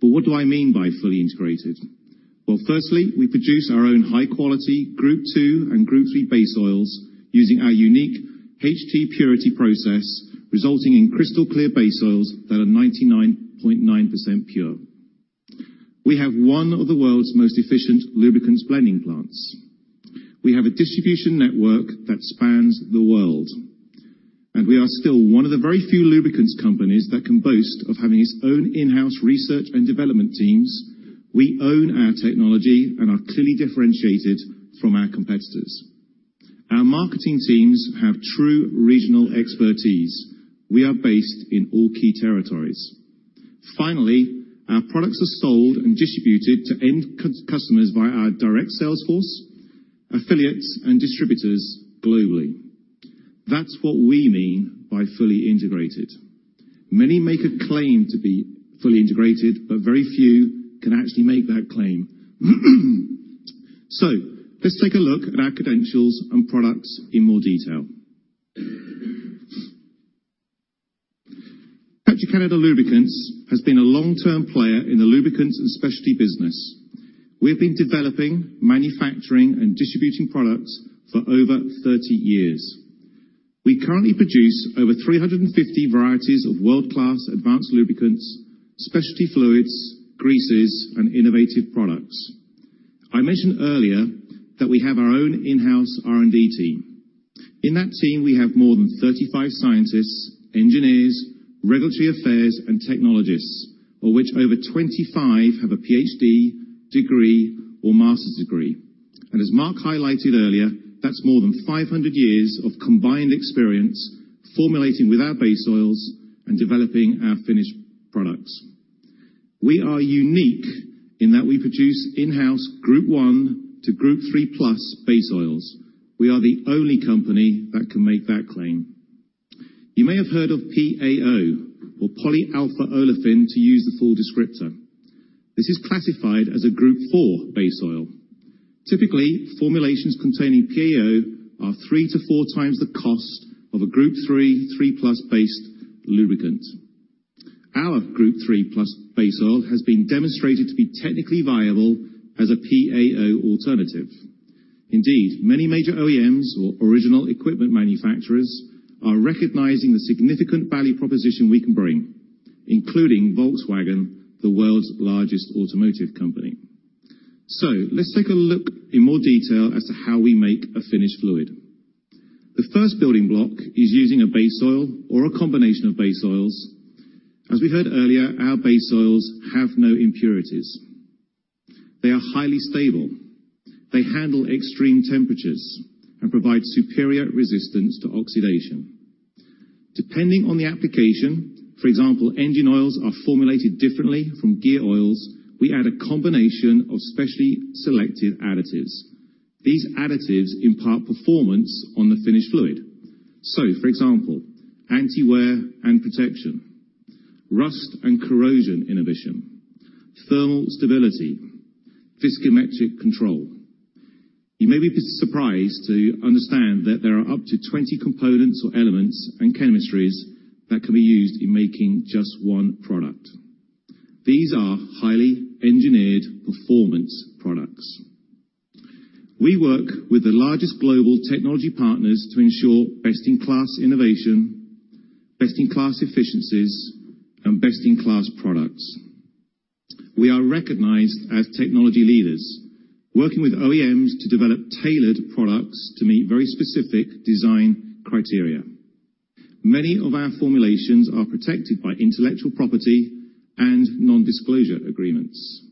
What do I mean by fully integrated? Well, firstly, we produce our own high-quality Group II and Group III base oils using our unique HT Purity Process, resulting in crystal clear base oils that are 99.9% pure. We have one of the world's most efficient lubricants blending plants. We have a distribution network that spans the world. We are still one of the very few lubricants companies that can boast of having its own in-house research and development teams. We own our technology and are clearly differentiated from our competitors. Our marketing teams have true regional expertise. We are based in all key territories. Finally, our products are sold and distributed to end customers via our direct sales force, affiliates, and distributors globally. That's what we mean by fully integrated. Many make a claim to be fully integrated, but very few can actually make that claim. Let's take a look at our credentials and products in more detail. Petro-Canada Lubricants has been a long-term player in the lubricants and specialty business. We've been developing, manufacturing, and distributing products for over 30 years. We currently produce over 350 varieties of world-class advanced lubricants, specialty fluids, greases, and innovative products. I mentioned earlier that we have our own in-house R&D team. In that team, we have more than 35 scientists, engineers, regulatory affairs, and technologists, of which over 25 have a PhD degree or master's degree. As Mark highlighted earlier, that's more than 500 years of combined experience formulating with our base oils and developing our finished products. We are unique in that we produce in-house Group I to Group III+ base oils. We are the only company that can make that claim. You may have heard of PAO or polyalphaolefin to use the full descriptor. This is classified as a Group IV base oil. Typically, formulations containing PAO are three to four times the cost of a Group III+ based lubricant. Our Group III+ base oil has been demonstrated to be technically viable as a PAO alternative. Indeed, many major OEMs or original equipment manufacturers are recognizing the significant value proposition we can bring, including Volkswagen, the world's largest automotive company. Let's take a look in more detail as to how we make a finished fluid. The first building block is using a base oil or a combination of base oils. As we heard earlier, our base oils have no impurities. They are highly stable. They handle extreme temperatures and provide superior resistance to oxidation. Depending on the application, for example, engine oils are formulated differently from gear oils, we add a combination of specially selected additives. These additives impart performance on the finished fluid. For example, anti-wear and protection, rust and corrosion inhibition, thermal stability, viscometric control. You may be surprised to understand that there are up to 20 components or elements and chemistries that can be used in making just one product. These are highly engineered performance products. We work with the largest global technology partners to ensure best-in-class innovation, best-in-class efficiencies, and best-in-class products. We are recognized as technology leaders, working with OEMs to develop tailored products to meet very specific design criteria. Many of our formulations are protected by intellectual property and non-disclosure agreements.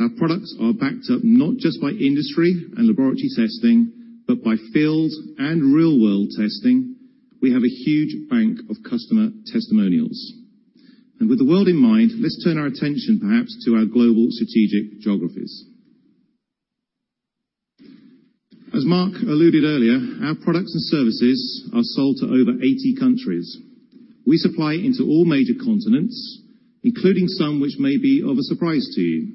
Our products are backed up not just by industry and laboratory testing, but by field and real-world testing. We have a huge bank of customer testimonials. With the world in mind, let's turn our attention perhaps to our global strategic geographies. As Mark alluded earlier, our products and services are sold to over 80 countries. We supply into all major continents, including some which may be of a surprise to you.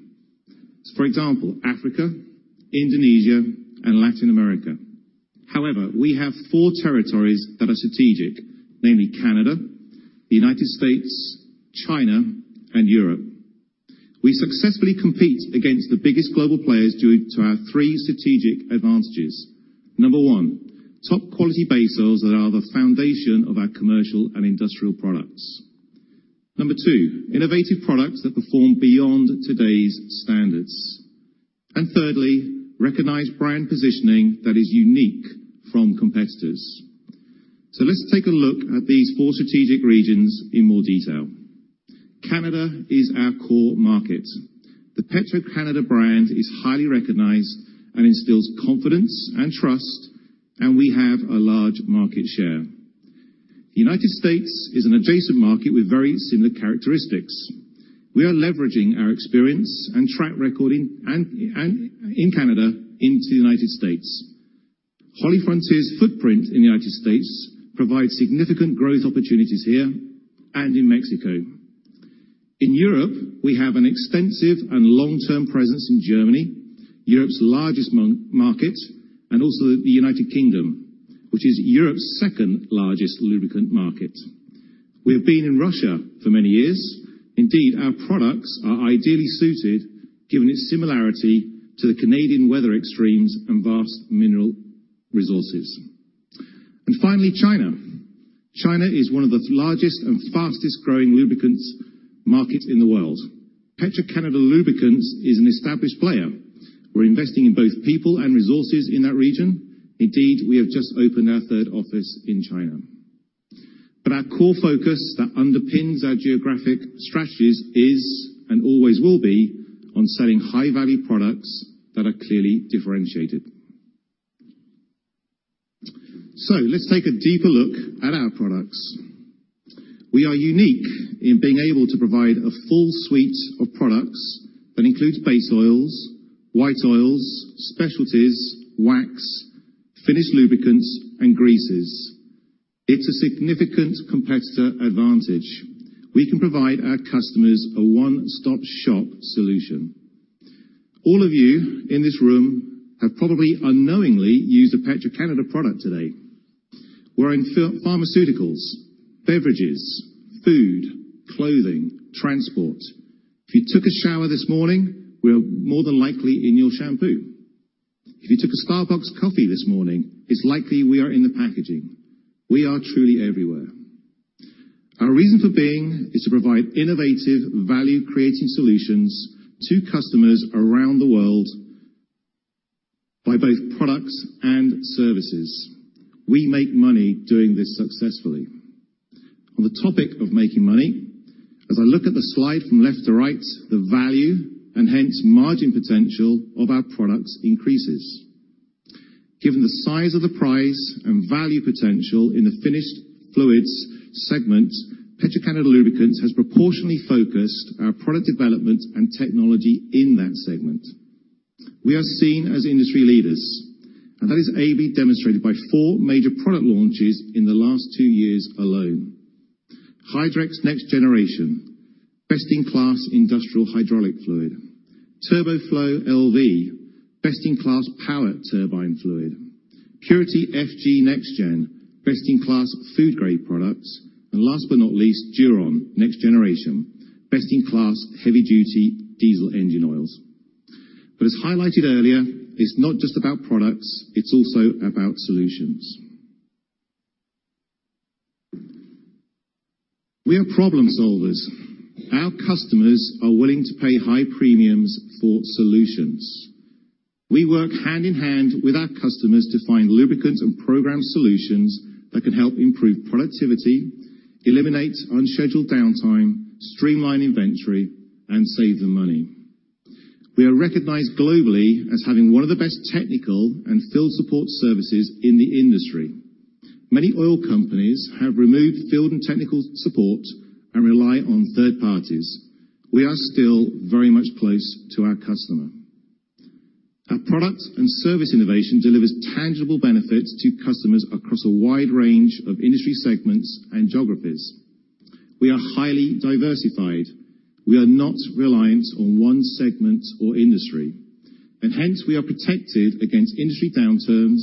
For example, Africa, Indonesia, and Latin America. However, we have four territories that are strategic, namely Canada, the United States, China, and Europe. We successfully compete against the biggest global players due to our three strategic advantages. Number one, top quality base oils that are the foundation of our commercial and industrial products. Number two, innovative products that perform beyond today's standards. Thirdly, recognized brand positioning that is unique from competitors. Let's take a look at these four strategic regions in more detail. Canada is our core market. The Petro-Canada brand is highly recognized and instills confidence and trust, and we have a large market share. The United States is an adjacent market with very similar characteristics. We are leveraging our experience and track record in Canada into the United States. HollyFrontier's footprint in the United States provides significant growth opportunities here and in Mexico. In Europe, we have an extensive and long-term presence in Germany, Europe's largest market, and also the United Kingdom, which is Europe's second-largest lubricant market. We have been in Russia for many years. Indeed, our products are ideally suited given its similarity to the Canadian weather extremes and vast mineral resources. Finally, China. China is one of the largest and fastest-growing lubricants market in the world. Petro-Canada Lubricants is an established player. We're investing in both people and resources in that region. Indeed, we have just opened our third office in China. Our core focus that underpins our geographic strategies is, and always will be, on selling high-value products that are clearly differentiated. Let's take a deeper look at our products. We are unique in being able to provide a full suite of products that includes base oils, white oils, specialties, wax, finished lubricants, and greases. It's a significant competitor advantage. We can provide our customers a one-stop shop solution. All of you in this room have probably unknowingly used a Petro-Canada product today. We're in pharmaceuticals, beverages, food, clothing, transport. If you took a shower this morning, we are more than likely in your shampoo. If you took a Starbucks coffee this morning, it's likely we are in the packaging. We are truly everywhere. Our reason for being is to provide innovative, value-creating solutions to customers around the world by both products and services. We make money doing this successfully. On the topic of making money, as I look at the slide from left to right, the value, and hence margin potential, of our products increases. Given the size of the price and value potential in the finished fluids segment, Petro-Canada Lubricants has proportionally focused our product development and technology in that segment. We are seen as industry leaders, and that is ably demonstrated by four major product launches in the last two years alone. HYDREX Next Generation, best-in-class industrial hydraulic fluid. TURBOFLO LV, best-in-class power turbine fluid. PURITY FG NextGen, best-in-class food-grade products. Last but not least, DURON Next Generation, best-in-class heavy-duty diesel engine oils. As highlighted earlier, it's not just about products, it's also about solutions. We are problem solvers. Our customers are willing to pay high premiums for solutions. We work hand in hand with our customers to find lubricant and program solutions that can help improve productivity, eliminate unscheduled downtime, streamline inventory, and save them money. We are recognized globally as having one of the best technical and field support services in the industry. Many oil companies have removed field and technical support and rely on third parties. We are still very much close to our customer. Our product and service innovation delivers tangible benefits to customers across a wide range of industry segments and geographies. We are highly diversified. We are not reliant on one segment or industry, and hence, we are protected against industry downturns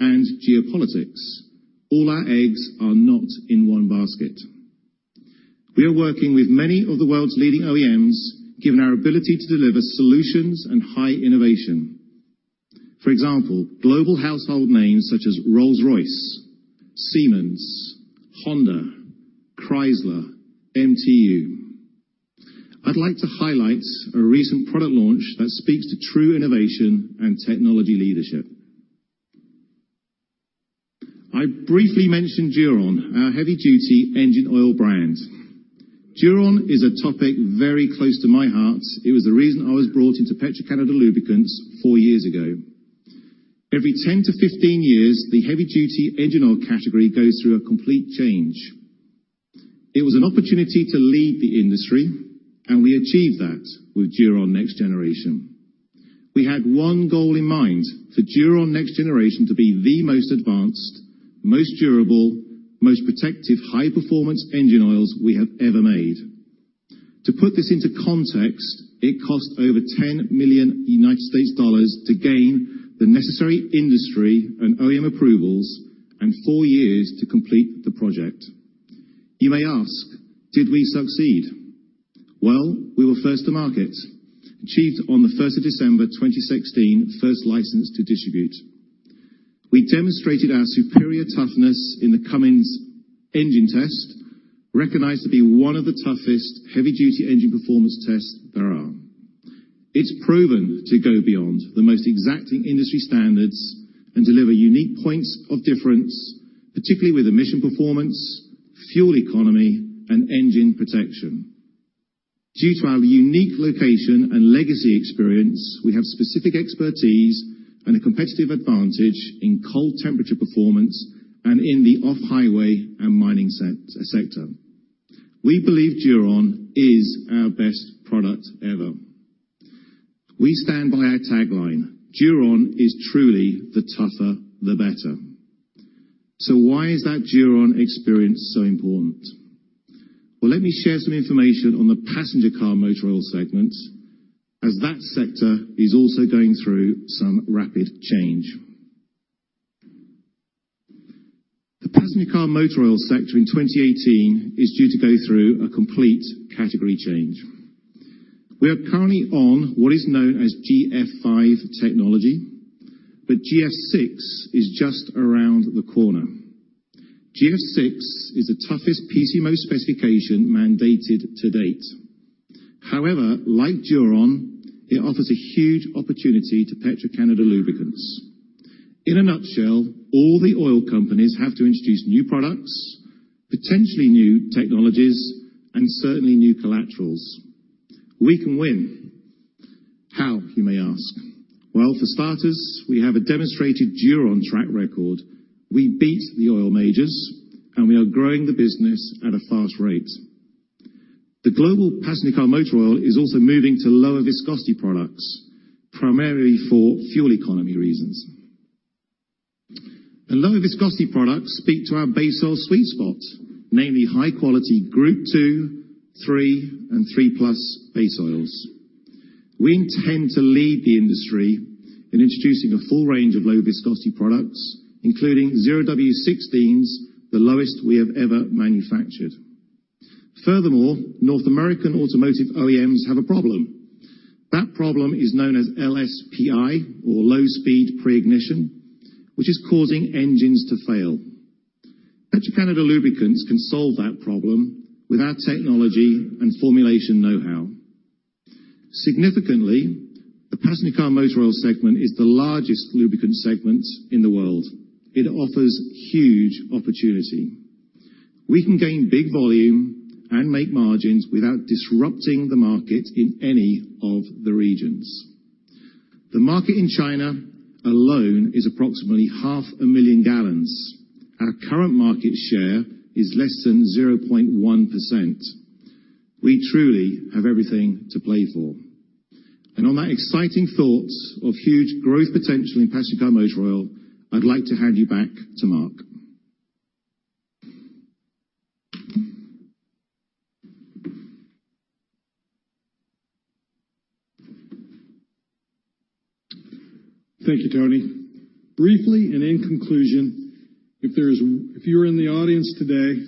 and geopolitics. All our eggs are not in one basket. We are working with many of the world's leading OEMs given our ability to deliver solutions and high innovation. For example, global household names such as Rolls-Royce, Siemens, Honda, Chrysler, MTU. I'd like to highlight a recent product launch that speaks to true innovation and technology leadership. I briefly mentioned DURON, our heavy-duty engine oil brand. DURON is a topic very close to my heart. It was the reason I was brought into Petro-Canada Lubricants four years ago. Every 10-15 years, the heavy-duty engine oil category goes through a complete change. It was an opportunity to lead the industry, and we achieved that with DURON Next Generation. We had one goal in mind, for DURON Next Generation to be the most advanced, most durable, most protective, high-performance engine oils we have ever made. To put this into context, it cost over $10 million to gain the necessary industry and OEM approvals and four years to complete the project. You may ask, did we succeed? Well, we were first to market, achieved on the 1st of December 2016, first license to distribute. We demonstrated our superior toughness in the Cummins engine test, recognized to be one of the toughest heavy-duty engine performance tests there are. It's proven to go beyond the most exacting industry standards and deliver unique points of difference, particularly with emission performance, fuel economy, and engine protection. Due to our unique location and legacy experience, we have specific expertise and a competitive advantage in cold temperature performance and in the off-highway and mining sector. We believe DURON is our best product ever. We stand by our tagline, DURON is truly the tougher, the better. Why is that DURON experience so important? Well, let me share some information on the passenger car motor oil segment, as that sector is also going through some rapid change. The passenger car motor oil sector in 2018 is due to go through a complete category change. We are currently on what is known as GF-5 technology, but GF-6 is just around the corner. GF-6 is the toughest PCMO specification mandated to date. However, like DURON, it offers a huge opportunity to Petro-Canada Lubricants. In a nutshell, all the oil companies have to introduce new products, potentially new technologies, and certainly new collaterals. We can win. How, you may ask? Well, for starters, we have a demonstrated DURON track record. We beat the oil majors, and we are growing the business at a fast rate. Lower viscosity products speak to our base oil sweet spot, namely high-quality Group II, III, and III+ base oils. We intend to lead the industry in introducing a full range of low viscosity products, including 0W-16s, the lowest we have ever manufactured. Furthermore, North American automotive OEMs have a problem. That problem is known as LSPI or Low-Speed Pre-Ignition, which is causing engines to fail. Petro-Canada Lubricants can solve that problem with our technology and formulation know-how. Significantly, the passenger car motor oil segment is the largest lubricant segment in the world. It offers huge opportunity. We can gain big volume and make margins without disrupting the market in any of the regions. The market in China alone is approximately 500,000 gallons. Our current market share is less than 0.1%. We truly have everything to play for. On that exciting thought of huge growth potential in passenger car motor oil, I'd like to hand you back to Mark. Thank you, Tony. Briefly and in conclusion, if you're in the audience today,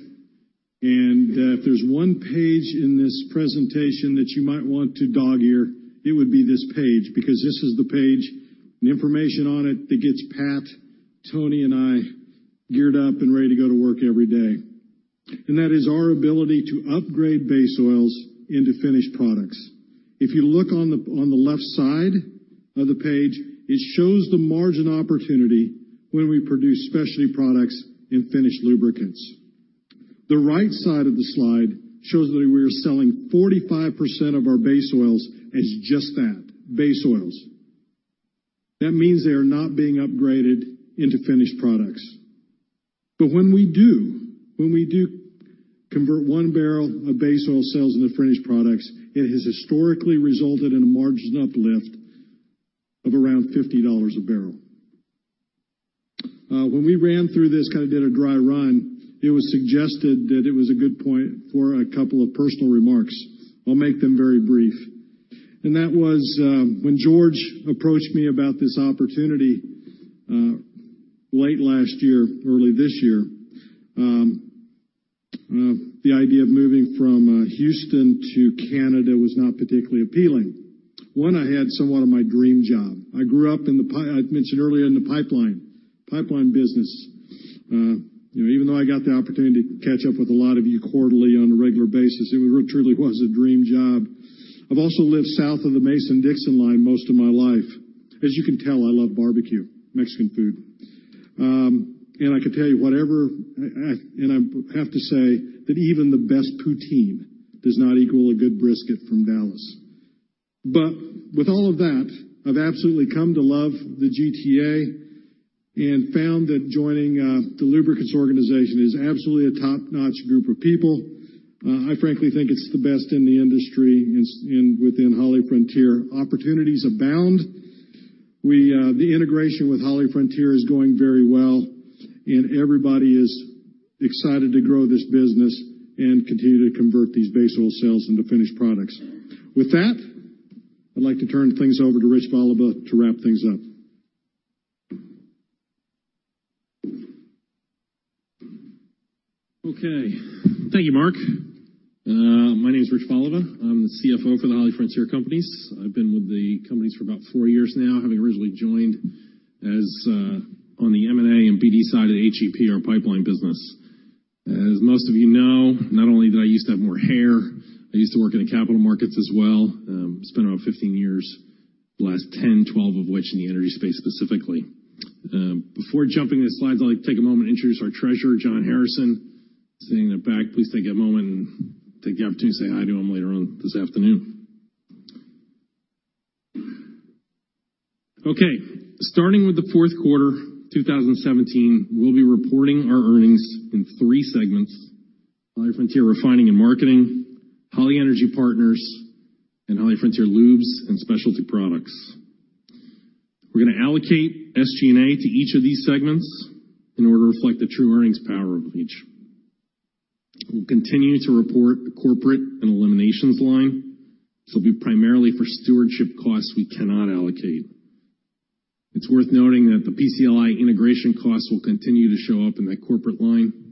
if there's one page in this presentation that you might want to dog-ear, it would be this page because this is the page, the information on it that gets Pat, Tony, and I geared up and ready to go to work every day. That is our ability to upgrade base oils into finished products. If you look on the left side of the page, it shows the margin opportunity when we produce specialty products and finished lubricants. The right side of the slide shows that we are selling 45% of our base oils as just that, base oils. That means they are not being upgraded into finished products. But when we do convert one barrel of base oil sales into finished products, it has historically resulted in a margin uplift of around $50 a barrel. When we ran through this, did a dry run, it was suggested that it was a good point for a couple of personal remarks. I'll make them very brief. That was when George approached me about this opportunity late last year, early this year. The idea of moving from Houston to Canada was not particularly appealing. I had somewhat of my dream job. I grew up in the pipeline business. Even though I got the opportunity to catch up with a lot of you quarterly on a regular basis, it truly was a dream job. I've also lived south of the Mason-Dixon line most of my life. As you can tell, I love barbecue, Mexican food. I can tell you whatever, I have to say that even the best poutine does not equal a good brisket from Dallas. With all of that, I've absolutely come to love the GTA and found that joining the lubricants organization is absolutely a top-notch group of people. I frankly think it's the best in the industry and within HollyFrontier. Opportunities abound. The integration with HollyFrontier is going very well, and everybody is excited to grow this business and continue to convert these base oil sales into finished products. With that, I'd like to turn things over to Rich Voliva to wrap things up. Okay. Thank you, Mark. My name is Rich Voliva. I'm the CFO for the HollyFrontier companies. I've been with the companies for about four years now, having originally joined on the M&A and BD side at HEP, our pipeline business. As most of you know, not only did I used to have more hair, I used to work in the capital markets as well. Spent about 15 years, the last 10, 12 of which in the energy space specifically. Before jumping into slides, I'd like to take a moment to introduce our Treasurer, John Harrison, sitting in the back. Please take a moment and take the opportunity to say hi to him later on this afternoon. Okay. Starting with the fourth quarter 2017, we'll be reporting our earnings in three segments. HollyFrontier Refining & Marketing, Holly Energy Partners, and HollyFrontier Lubricants & Specialty Products. We're going to allocate SG&A to each of these segments in order to reflect the true earnings power of each. We'll continue to report the corporate and eliminations line. This will be primarily for stewardship costs we cannot allocate. It's worth noting that the PCLI integration costs will continue to show up in that corporate line.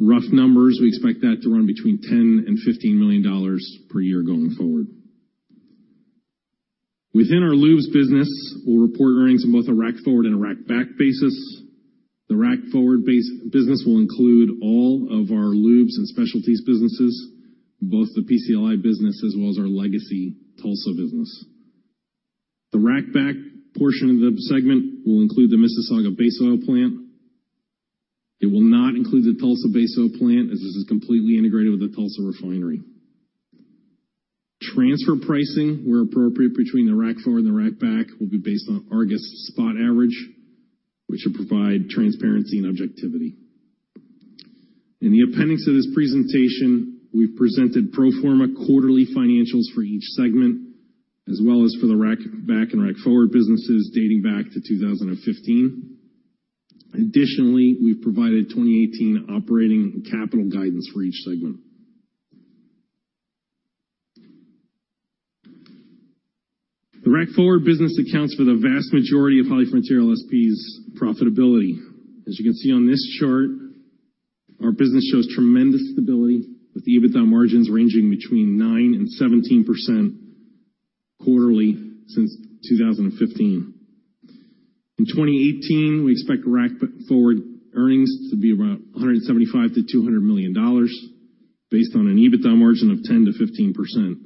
Rough numbers, we expect that to run between $10 million and $15 million per year going forward. Within our lubes business, we'll report earnings on both a rack forward and a rack back basis. The rack forward base business will include all of our lubes and specialties businesses, both the PCLI business as well as our legacy Tulsa business. The rack back portion of the segment will include the Mississauga base oil plant. It will not include the Tulsa base oil plant, as this is completely integrated with the Tulsa refinery. Transfer pricing, where appropriate between the rack forward and the rack back, will be based on Argus spot average, which should provide transparency and objectivity. In the appendix of this presentation, we've presented pro forma quarterly financials for each segment, as well as for the rack back and rack forward businesses dating back to 2015. Additionally, we've provided 2018 operating and capital guidance for each segment. The rack forward business accounts for the vast majority of HollyFrontier LSP's profitability. As you can see on this chart, our business shows tremendous stability, with EBITDA margins ranging between 9% and 17% quarterly since 2015. In 2018, we expect rack forward earnings to be around $175 million to $200 million, based on an EBITDA margin of 10%-15%.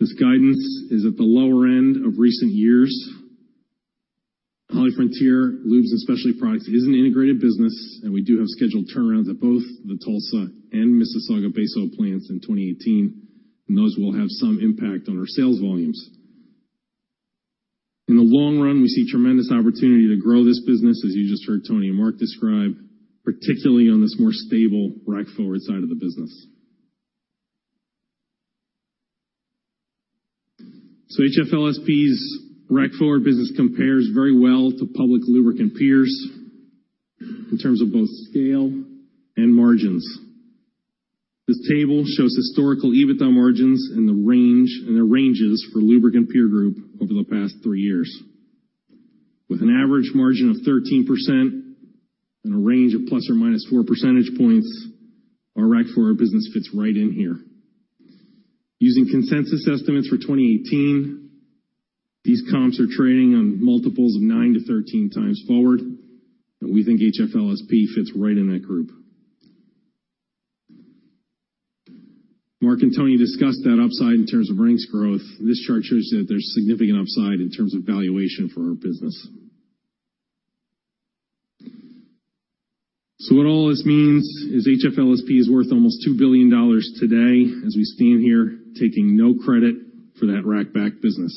This guidance is at the lower end of recent years. HollyFrontier Lubricants & Specialty Products is an integrated business, we do have scheduled turnarounds at both the Tulsa and Mississauga base oil plants in 2018, and those will have some impact on our sales volumes. In the long run, we see tremendous opportunity to grow this business, as you just heard Tony and Mark describe, particularly on this more stable rack forward side of the business. HFLSP's rack forward business compares very well to public lubricant peers in terms of both scale and margins. This table shows historical EBITDA margins and the ranges for lubricant peer group over the past three years. With an average margin of 13% and a range of plus or minus four percentage points, our rack forward business fits right in here. Using consensus estimates for 2018, these comps are trading on multiples of 9 to 13x forward, we think HFL SP fits right in that group. Mark and Tony discussed that upside in terms of earnings growth. This chart shows that there's significant upside in terms of valuation for our business. What all this means is HFL SP is worth almost $2 billion today as we stand here taking no credit for that rack back business.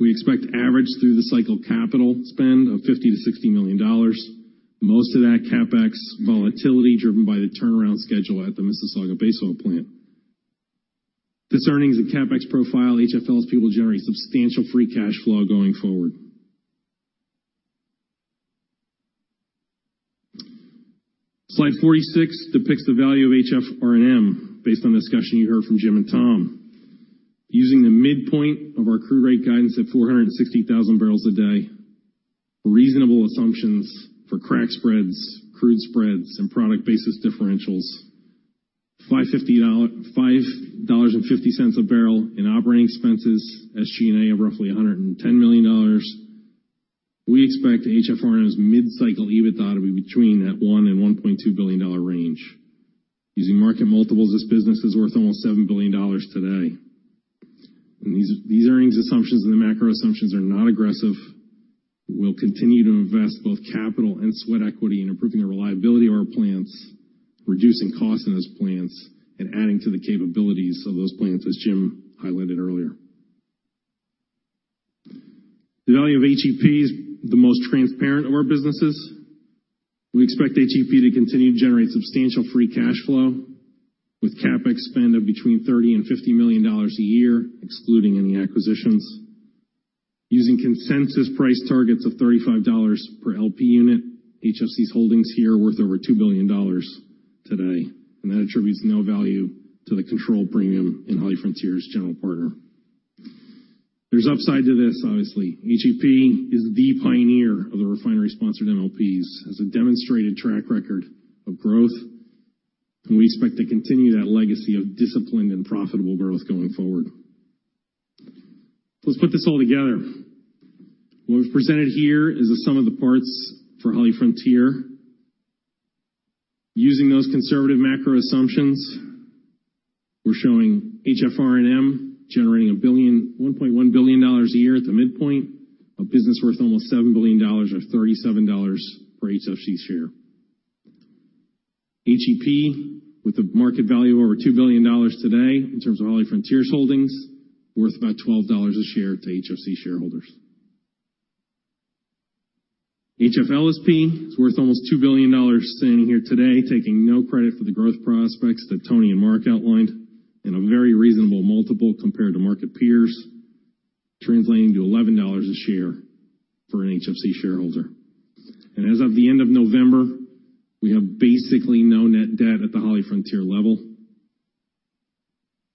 We expect average through the cycle capital spend of $50 million to $60 million. Most of that CapEx volatility driven by the turnaround schedule at the Mississauga base oil plant. This earnings and CapEx profile, HFL SP will generate substantial free cash flow going forward. Slide 46 depicts the value of HFR&M, based on the discussion you heard from Jim and Tom. Using the midpoint of our crude rate guidance of 460,000 barrels a day, reasonable assumptions for crack spreads, crude spreads, and product basis differentials, $5.50 a barrel in operating expenses, SG&A of roughly $110 million. We expect HFR&M's mid-cycle EBITDA to be between that $1 billion and $1.2 billion range. Using market multiples, this business is worth almost $7 billion today. These earnings assumptions and the macro assumptions are not aggressive. We'll continue to invest both capital and sweat equity in improving the reliability of our plants, reducing costs in those plants, and adding to the capabilities of those plants, as Jim highlighted earlier. The value of HEP is the most transparent of our businesses. We expect HEP to continue to generate substantial free cash flow with CapEx spend of between $30 million and $50 million a year, excluding any acquisitions. Using consensus price targets of $35 per LP unit, HFC's holdings here are worth over $2 billion today, and that attributes no value to the control premium in HollyFrontier's general partner. There's upside to this, obviously. HEP is the pioneer of the refinery-sponsored MLPs. Has a demonstrated track record of growth, we expect to continue that legacy of disciplined and profitable growth going forward. Let's put this all together. What was presented here is the sum of the parts for HollyFrontier. Using those conservative macro assumptions, we're showing HFR&M generating $1.1 billion a year at the midpoint, a business worth almost $7 billion or $37 per HFC share. HEP with a market value of over $2 billion today in terms of HollyFrontier's holdings, worth about $12 a share to HFC shareholders. HFL SP is worth almost $2 billion standing here today, taking no credit for the growth prospects that Tony and Mark outlined in a very reasonable multiple compared to market peers, translating to $11 a share for an HFC shareholder. As of the end of November, we have basically no net debt at the HollyFrontier level.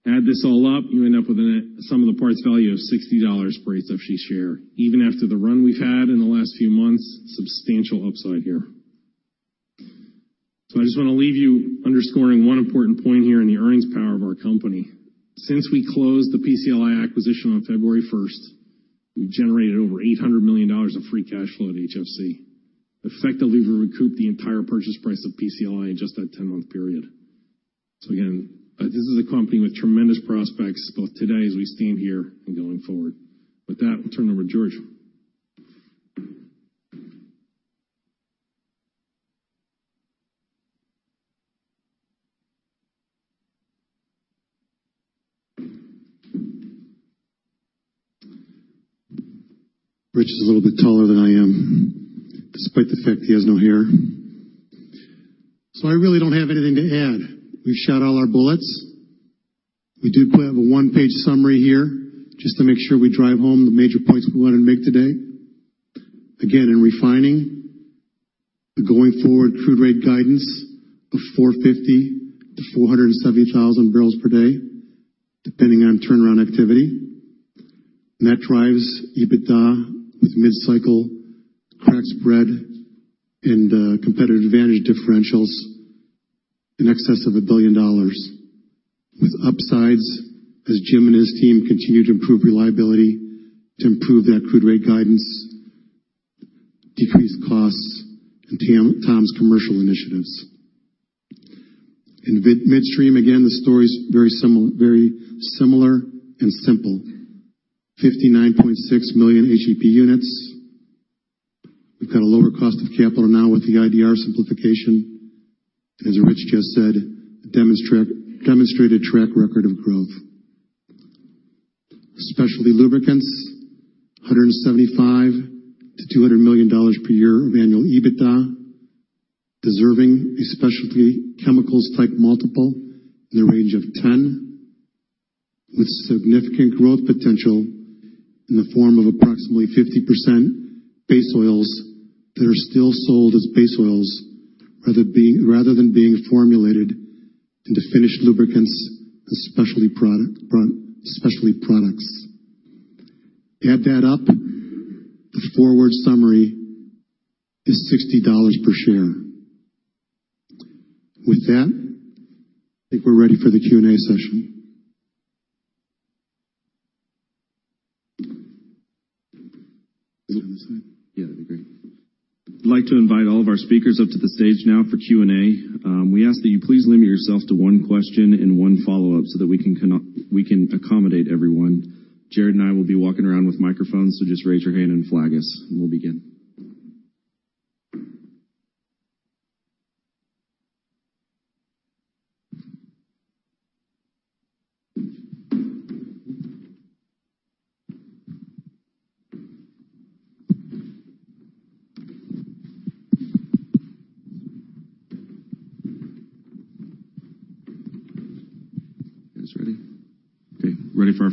Add this all up, you end up with a sum of the parts value of $60 per HFC share. Even after the run we've had in the last few months, substantial upside here. I just want to leave you underscoring one important point here in the earnings power of our company. Since we closed the PCLI acquisition on February 1st, we've generated over $800 million of free cash flow at HFC. Effectively, we recouped the entire purchase price of PCLI in just that 10-month period. Again, this is a company with tremendous prospects both today as we stand here and going forward. With that, I'll turn it over to George. Rich is a little bit taller than I am, despite the fact he has no hair. I really don't have anything to add. We've shot all our bullets. We do have a one-page summary here just to make sure we drive home the major points we want to make today. Again, in refining, the going forward crude rate guidance of 450 to 470,000 barrels per day, depending on turnaround activity. That drives EBITDA with mid-cycle crack spread and competitive advantage differentials in excess of $1 billion. With upsides, as Jim and his team continue to improve reliability to improve that crude rate guidance, decrease costs, and Tom's commercial initiatives. In midstream, again, the story's very similar and simple. 59.6 million HEP units. We've got a lower cost of capital now with the IDR simplification. As Rich just said, demonstrated track record of growth. Specialty lubricants, $175 million to $200 million per year of annual EBITDA, deserving a specialty chemicals type 10 multiple, with significant growth potential in the form of approximately 50% base oils that are still sold as base oils rather than being formulated into finished lubricants and specialty products. Add that up, the forward summary is $60 per share. With that, I think we're ready for the Q&A session. Start on this side? Yeah, that'd be great. I'd like to invite all of our speakers up to the stage now for Q&A. We ask that you please limit yourself to one question and one follow-up so that we can accommodate everyone. Jared and I will be walking around with microphones, so just raise your hand and flag us, and we'll begin.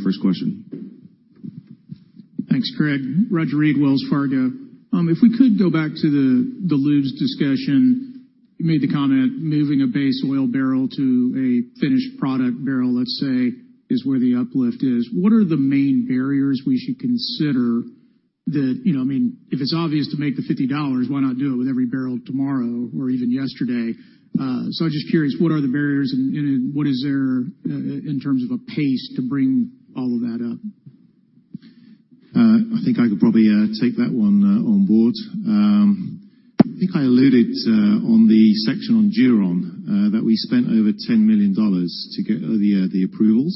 You guys ready? Okay, we're ready for our first question. Thanks, Craig. Roger Read, Wells Fargo. If we could go back to the lubes discussion. You made the comment, moving a base oil barrel to a finished product barrel, let's say, is where the uplift is. What are the main barriers we should consider that If it's obvious to make the $50, why not do it with every barrel tomorrow or even yesterday? I'm just curious, what are the barriers, and what is there in terms of a pace to bring all of that up? I think I could probably take that one on board. I think I alluded on the section on DURON that we spent over $10 million to get the approvals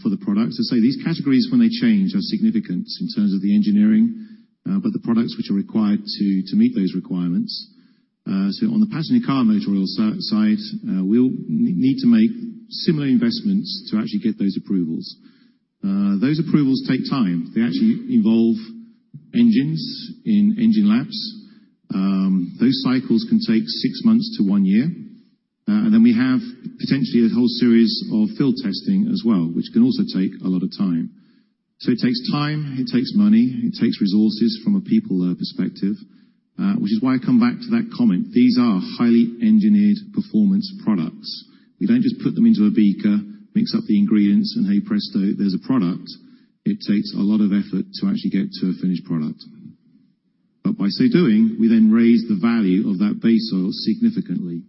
for the product. These categories, when they change, are significant in terms of the engineering, but the products which are required to meet those requirements. On the passenger car motor oil side, we'll need to make similar investments to actually get those approvals. Those approvals take time. They actually involve engines in engine labs. Those cycles can take 6 months to 1 year. We have potentially a whole series of field testing as well, which can also take a lot of time. It takes time, it takes money, it takes resources from a people perspective, which is why I come back to that comment. These are highly engineered performance products. We don't just put them into a beaker, mix up the ingredients, and hey, presto, there's a product. It takes a lot of effort to actually get to a finished product. By so doing, we then raise the value of that base oil significantly.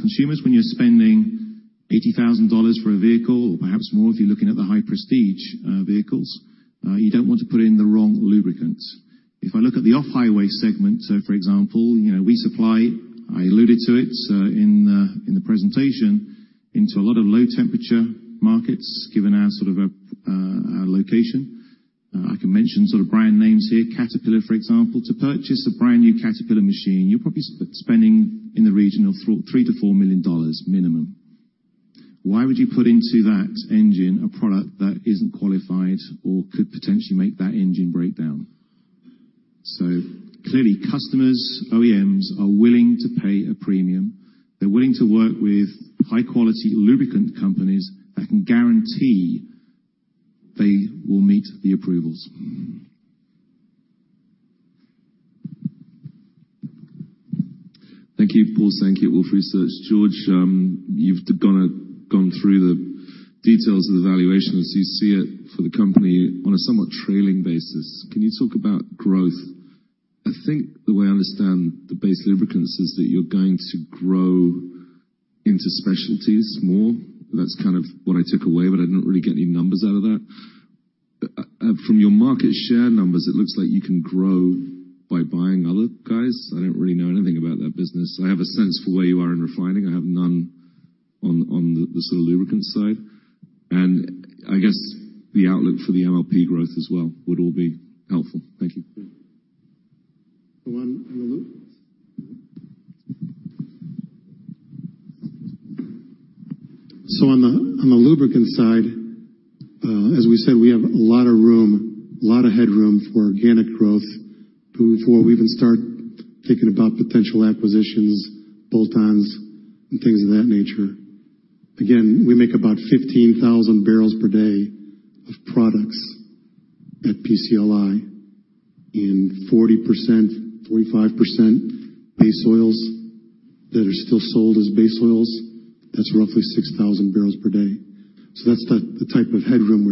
Consumers, when you're spending $80,000 for a vehicle, perhaps more if you're looking at the high prestige vehicles, you don't want to put in the wrong lubricants. If I look at the off-highway segment, so for example, we supply, I alluded to it in the presentation, into a lot of low-temperature markets, given our location. I can mention brand names here. Caterpillar, for example. To purchase a brand-new Caterpillar machine, you're probably spending in the region of $3 million-$4 million minimum. Why would you put into that engine a product that isn't qualified or could potentially make that engine break down? Clearly, customers, OEMs, are willing to pay a premium. They're willing to work with high-quality lubricant companies that can guarantee they will meet the approvals. Thank you, Paul. Thank you, Wolfe Research. George, you've gone through the details of the valuation as you see it for the company on a somewhat trailing basis. Can you talk about growth? I think the way I understand the base lubricants is that you're going to grow into specialties more. That's kind of what I took away, but I didn't really get any numbers out of that. From your market share numbers, it looks like you can grow by buying other guys. I don't really know anything about that business. I have a sense for where you are in refining. I have none on the lubricants side. I guess the outlook for the MLP growth as well would all be helpful. Thank you. Go on the lubes. On the lubricant side, as we said, we have a lot of room, a lot of headroom for organic growth before we even start thinking about potential acquisitions, bolt-ons, and things of that nature. Again, we make about 15,000 barrels per day of products at PCLI, and 40%-45% base oils that are still sold as base oils. That's roughly 6,000 barrels per day. That's the type of headroom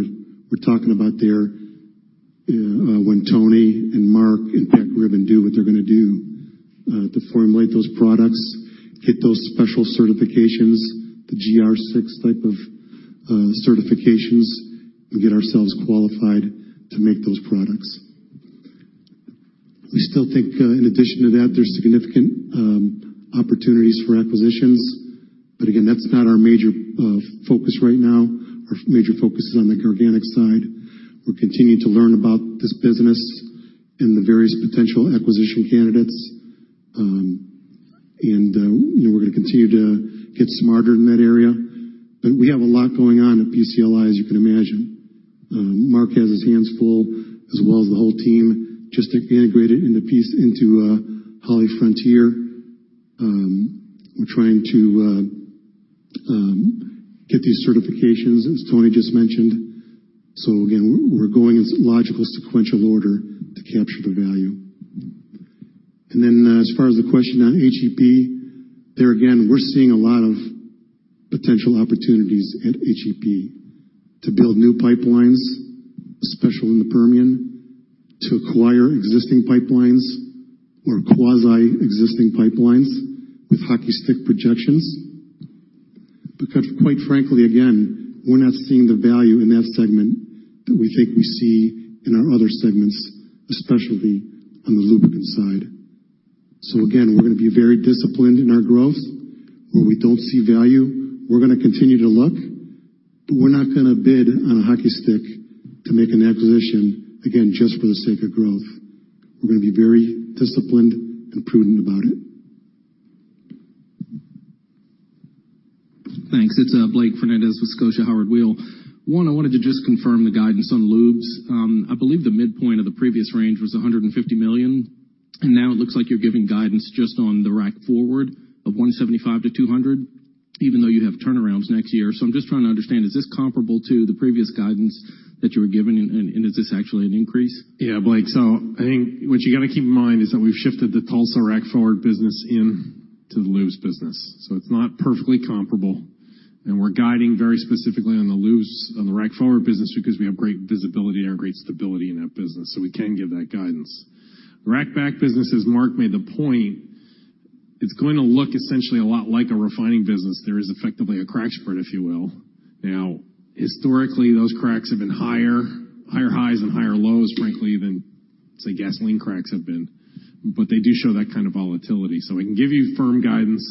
we're talking about there when Tony Weatherill and Mark Plake and Pat Gribben do what they're going to do to formulate those products, get those special certifications, the GF-6 type of certifications, and get ourselves qualified to make those products. We still think in addition to that, there's significant opportunities for acquisitions. That's not our major focus right now. Our major focus is on the organic side. We're continuing to learn about this business and the various potential acquisition candidates. We're going to continue to get smarter in that area. We have a lot going on at PCLI, as you can imagine. Mark Plake has his hands full, as well as the whole team, just to integrate it into HollyFrontier. We're trying to get these certifications, as Tony Weatherill just mentioned. Again, we're going in logical sequential order to capture the value. As far as the question on HEP, there again, we're seeing a lot of potential opportunities at HEP to build new pipelines, especially in the Permian, to acquire existing pipelines or quasi-existing pipelines with hockey stick projections. We're not seeing the value in that segment that we think we see in our other segments, especially on the lubricant side. Again, we're going to be very disciplined in our growth where we don't see value. We're going to continue to look, we're not going to bid on a hockey stick to make an acquisition just for the sake of growth. We're going to be very disciplined and prudent about it. Thanks. It's Blake Fernandez with Scotiabank Howard Weil. I wanted to just confirm the guidance on lubes. I believe the midpoint of the previous range was $150 million, and now it looks like you're giving guidance just on the rack forward of $175 million to $200 million, even though you have turnarounds next year. I'm just trying to understand, is this comparable to the previous guidance that you were given, and is this actually an increase? Yeah, Blake. I think what you got to keep in mind is that we've shifted the Tulsa rack forward business into the lubes business. It's not perfectly comparable, and we're guiding very specifically on the lubes on the rack forward business because we have great visibility and great stability in that business, so we can give that guidance. Rack back business, as Mark made the point, it's going to look essentially a lot like a refining business. There is effectively a crack spread, if you will. Historically, those cracks have been higher highs and higher lows, frankly, than, say, gasoline cracks have been. They do show that kind of volatility. We can give you firm guidance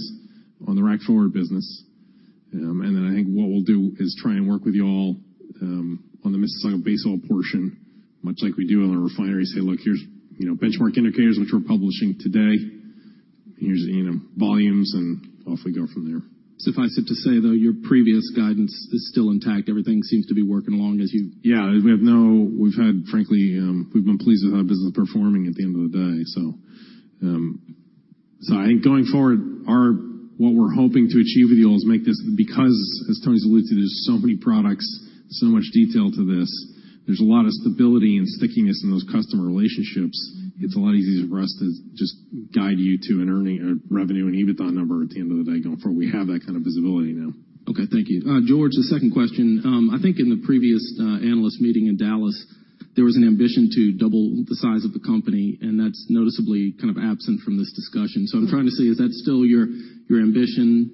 on the rack forward business. I think what we'll do is try and work with you all on the Mississauga base oil portion, much like we do on a refinery say, "Look, here's benchmark indicators," which we're publishing today, and here's the volumes, and off we go from there. Suffice it to say, though, your previous guidance is still intact. Everything seems to be working along as you- Yeah. Frankly, we've been pleased with how the business is performing at the end of the day. I think going forward, what we're hoping to achieve with you all is make this because, as Tony's alluded to, there's so many products, so much detail to this. There's a lot of stability and stickiness in those customer relationships. It's a lot easier for us to just guide you to an earning revenue and EBITDA number at the end of the day going forward. We have that kind of visibility now. Okay. Thank you. George, the second question. I think in the previous analyst meeting in Dallas, there was an ambition to double the size of the company. That's noticeably kind of absent from this discussion. I'm trying to see, is that still your ambition?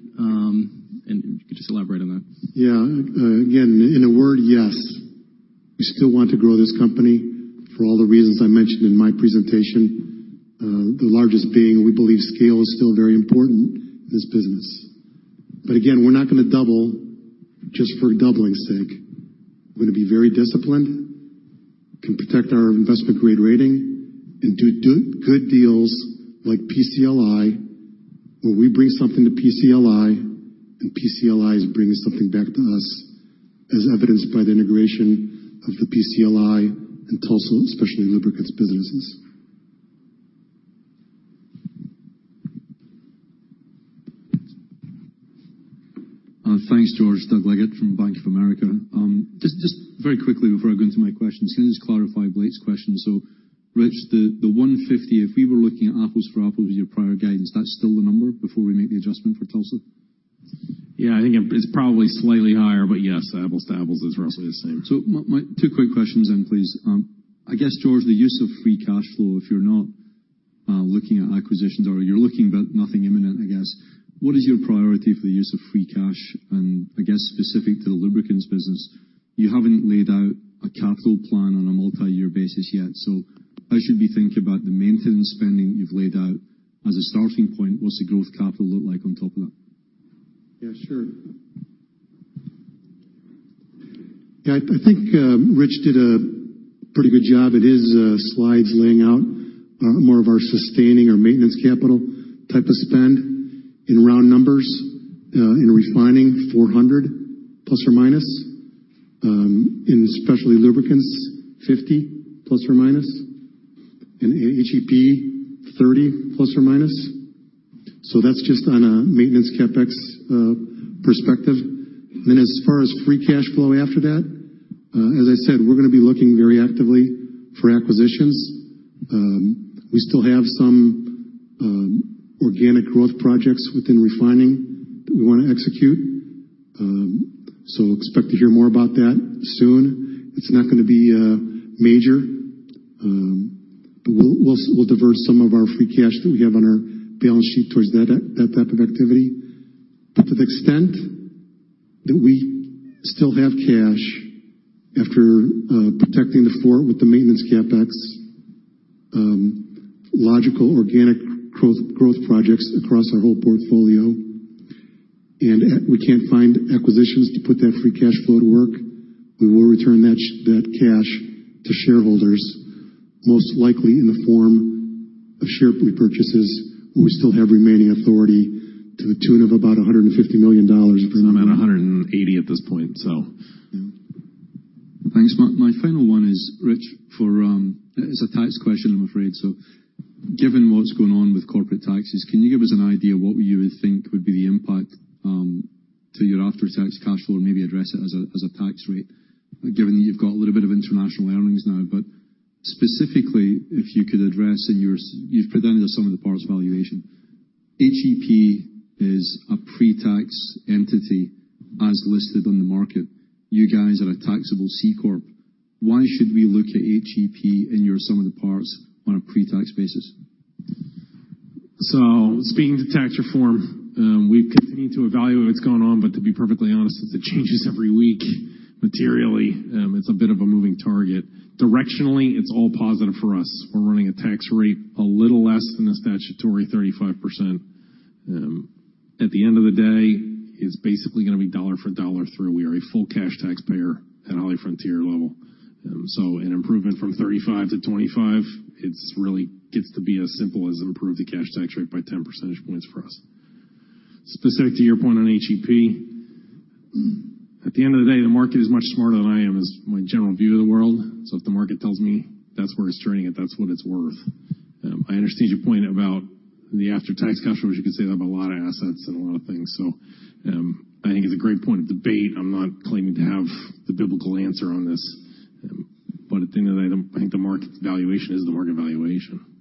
If you could just elaborate on that. Yeah. Again, in a word, yes. We still want to grow this company for all the reasons I mentioned in my presentation. The largest being, we believe scale is still very important in this business. Again, we're not going to double just for doubling's sake. We're going to be very disciplined, can protect our investment-grade rating, and do good deals like PCLI, where we bring something to PCLI and PCLI is bringing something back to us, as evidenced by the integration of the PCLI and Tulsa, especially lubricants businesses. Thanks, George. Doug Leggate from Bank of America. Just very quickly before I go into my questions, can you just clarify Blake's question? Rich, the 150, if we were looking at apples for apples with your prior guidance, that's still the number before we make the adjustment for Tulsa? Yeah, I think it's probably slightly higher. Yes, apples to apples, it's roughly the same. My two quick questions, please. George, the use of free cash flow, if you're not looking at acquisitions or you're looking but nothing imminent, what is your priority for the use of free cash? Specific to the lubricants business, you haven't laid out a capital plan on a multi-year basis yet. How should we think about the maintenance spending you've laid out as a starting point? What's the growth capital look like on top of that? Sure. I think Rich did a pretty good job at his slides laying out more of our sustaining or maintenance capital type of spend in round numbers. In refining, $400 plus or minus. In specialty lubricants, $50 plus or minus. In HEP, $30 plus or minus. That's just on a maintenance CapEx perspective. As far as free cash flow after that, as I said, we're going to be looking very actively for acquisitions. We still have some organic growth projects within refining that we want to execute. Expect to hear more about that soon. It's not going to be major. We'll divert some of our free cash that we have on our balance sheet towards that type of activity. To the extent that we still have cash after protecting the fort with the maintenance CapEx, logical organic growth projects across our whole portfolio, and we can't find acquisitions to put that free cash flow to work, we will return that cash to shareholders, most likely in the form of share repurchases. We still have remaining authority to the tune of about $150 million. It's about $180 at this point. Thanks, Mark. My final one is Rich. It's a tax question, I'm afraid so. Given what's going on with corporate taxes, can you give us an idea what you would think would be the impact to your after-tax cash flow and maybe address it as a tax rate, given that you've got a little bit of international earnings now. Specifically, if you could address, and you've presented a sum of the parts valuation. HEP is a pre-tax entity as listed on the market. You guys are a taxable C corp. Why should we look at HEP in your sum of the parts on a pre-tax basis? Speaking to tax reform, we've continued to evaluate what's going on, but to be perfectly honest, it changes every week materially. It's a bit of a moving target. Directionally, it's all positive for us. We're running a tax rate a little less than the statutory 35%. At the end of the day, it's basically going to be dollar for dollar through. We are a full cash taxpayer at HollyFrontier level. An improvement from 35 to 25, it really gets to be as simple as improve the cash tax rate by 10 percentage points for us. Specific to your point on HEP, at the end of the day, the market is much smarter than I am, is my general view of the world. If the market tells me that's where it's turning, that's what it's worth. I understand your point about the after-tax cash flow, as you can say that about a lot of assets and a lot of things. I think it's a great point of debate. I'm not claiming to have the biblical answer on this. At the end of the day, I think the market valuation is the market valuation.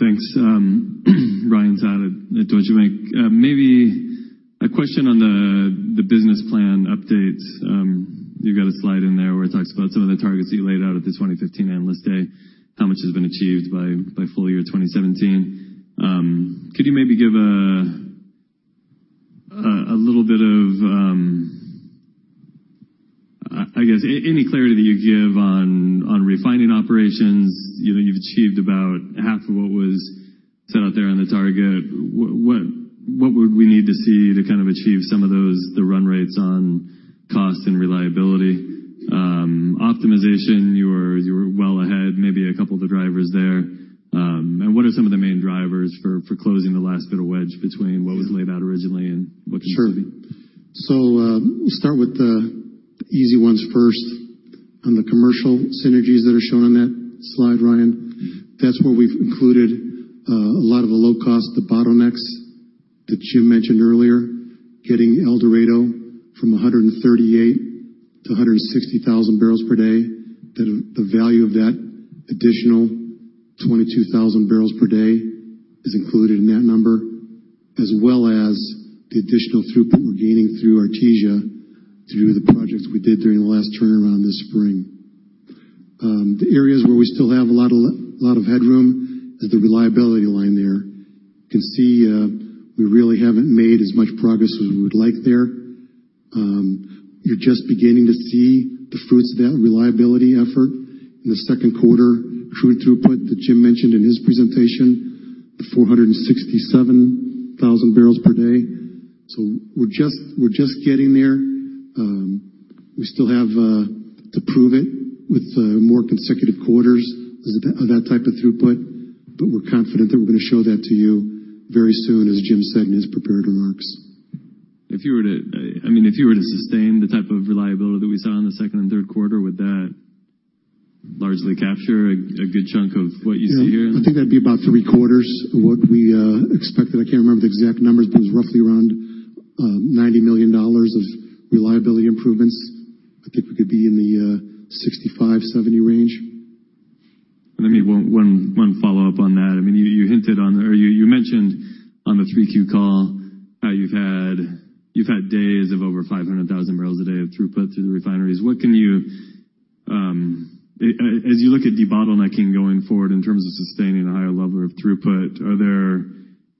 Thanks. Ryan Todd at Deutsche Bank. Maybe a question on the business plan updates. You've got a slide in there where it talks about some of the targets that you laid out at the 2015 Analyst Day, how much has been achieved by full year 2017. Could you maybe give a little bit, I guess, any clarity that you give on refining operations, you've achieved about half of what was set out there on the target. What would we need to see to kind of achieve some of those, the run rates on cost and reliability? Optimization, you are well ahead, maybe a couple of the drivers there. What are some of the main drivers for closing the last bit of wedge between what was laid out originally and what can be seen? Sure. We'll start with the easy ones first. On the commercial synergies that are shown on that slide, Ryan, that's where we've included a lot of the low cost, the bottlenecks that Jim mentioned earlier, getting El Dorado from 138 to 160,000 barrels per day. The value of that additional 22,000 barrels per day is included in that number, as well as the additional throughput we're gaining through Artesia to do the projects we did during the last turnaround this spring. The areas where we still have a lot of headroom is the reliability line there. You can see we really haven't made as much progress as we would like there. You're just beginning to see the fruits of that reliability effort in the second quarter through throughput that Jim mentioned in his presentation, the 467,000 barrels per day. We're just getting there. We still have to prove it with more consecutive quarters of that type of throughput. We're confident that we're going to show that to you very soon, as Jim said in his prepared remarks. If you were to sustain the type of reliability that we saw in the second and third quarter, would that largely capture a good chunk of what you see here? Yeah. I think that'd be about three quarters of what we expected. I can't remember the exact numbers, it was roughly around $90 million of reliability improvements. I think we could be in the 65, 70 range. One follow-up on that. You mentioned on the 3Q call how you've had days of over 500,000 barrels per day of throughput through the refineries. As you look at debottlenecking going forward in terms of sustaining a higher level of throughput,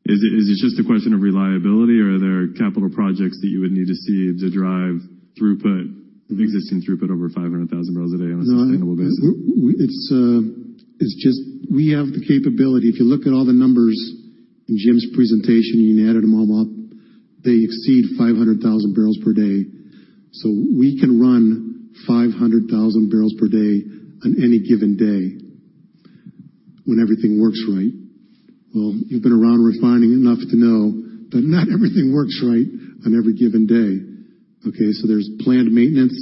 is it just a question of reliability or are there capital projects that you would need to see to drive existing throughput over 500,000 barrels per day on a sustainable basis? We have the capability. If you look at all the numbers in Jim's presentation, you added them all up, they exceed 500,000 barrels per day. We can run 500,000 barrels per day on any given day when everything works right. You've been around refining enough to know that not everything works right on every given day. Okay? There's planned maintenance,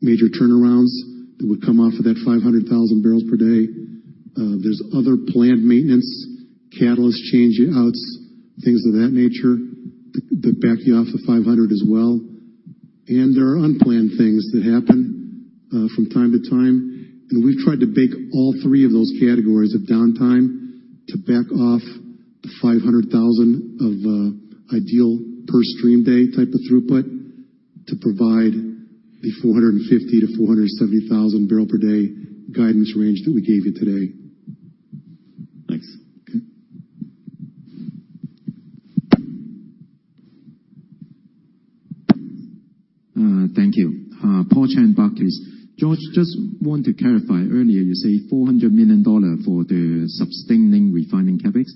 major turnarounds that would come off of that 500,000 barrels per day. There's other planned maintenance, catalyst change-outs, things of that nature that back you off of 500 as well. There are unplanned things that happen from time to time. We've tried to bake all 3 of those categories of downtime to back off the 500,000 of ideal per stream day type of throughput to provide the 450,000-470,000 barrel per day guidance range that we gave you today. Thanks. Okay. Thank you. Paul Cheng, Barclays. George, just want to clarify earlier you say $400 million for the sustaining refining CapEx.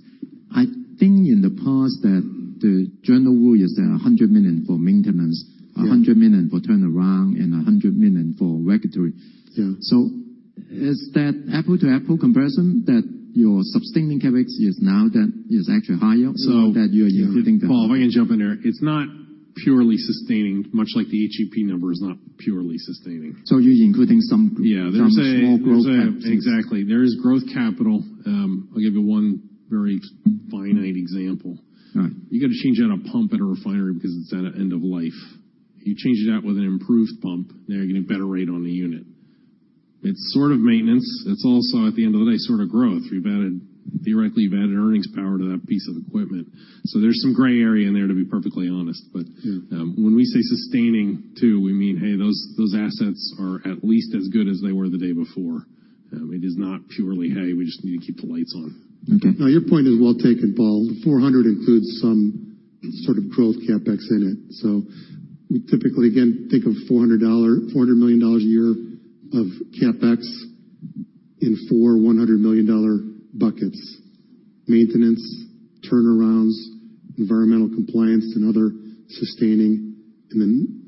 I think in the past that the general rule is that $100 million for maintenance- Yeah. -$100 million for turnaround and $100 million for regulatory. Yeah. Is that apple-to-apple comparison that your sustaining CapEx is now actually higher or that you're including? Paul, if I can jump in there. It's not purely sustaining, much like the HEP number is not purely sustaining. You're including some small growth CapEx. Exactly. There is growth capital. I'll give you one very finite example. All right. You've got to change out a pump at a refinery because it's at end of life. You change it out with an improved pump, now you're getting a better rate on the unit. It's sort of maintenance. It's also, at the end of the day, sort of growth. Theoretically, you've added earnings power to that piece of equipment. There's some gray area in there, to be perfectly honest. When we say sustaining too, we mean, hey, those assets are at least as good as they were the day before. It is not purely, hey, we just need to keep the lights on. Okay. No, your point is well taken, Paul. 400 includes some sort of growth CapEx in it. We typically, again, think of $400 million a year of CapEx in four $100 million buckets. Maintenance, turnarounds, environmental compliance and other sustaining,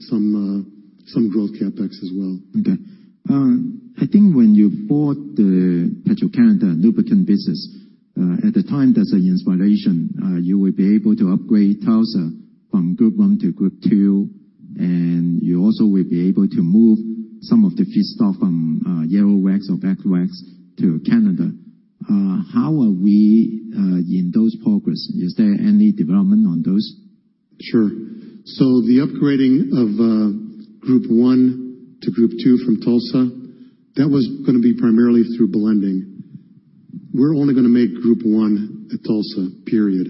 some growth CapEx as well. Okay. I think when you bought the Petro-Canada Lubricants business, at the time, there's an inspiration. You will be able to upgrade Tulsa from Group I to Group II, you also will be able to move some of the feedstock from yellow wax or black wax to Canada. How are we in those progress? Is there any development on those? Sure. The upgrading of Group I to Group II from Tulsa, that was going to be primarily through blending. We're only going to make Group I at Tulsa, period.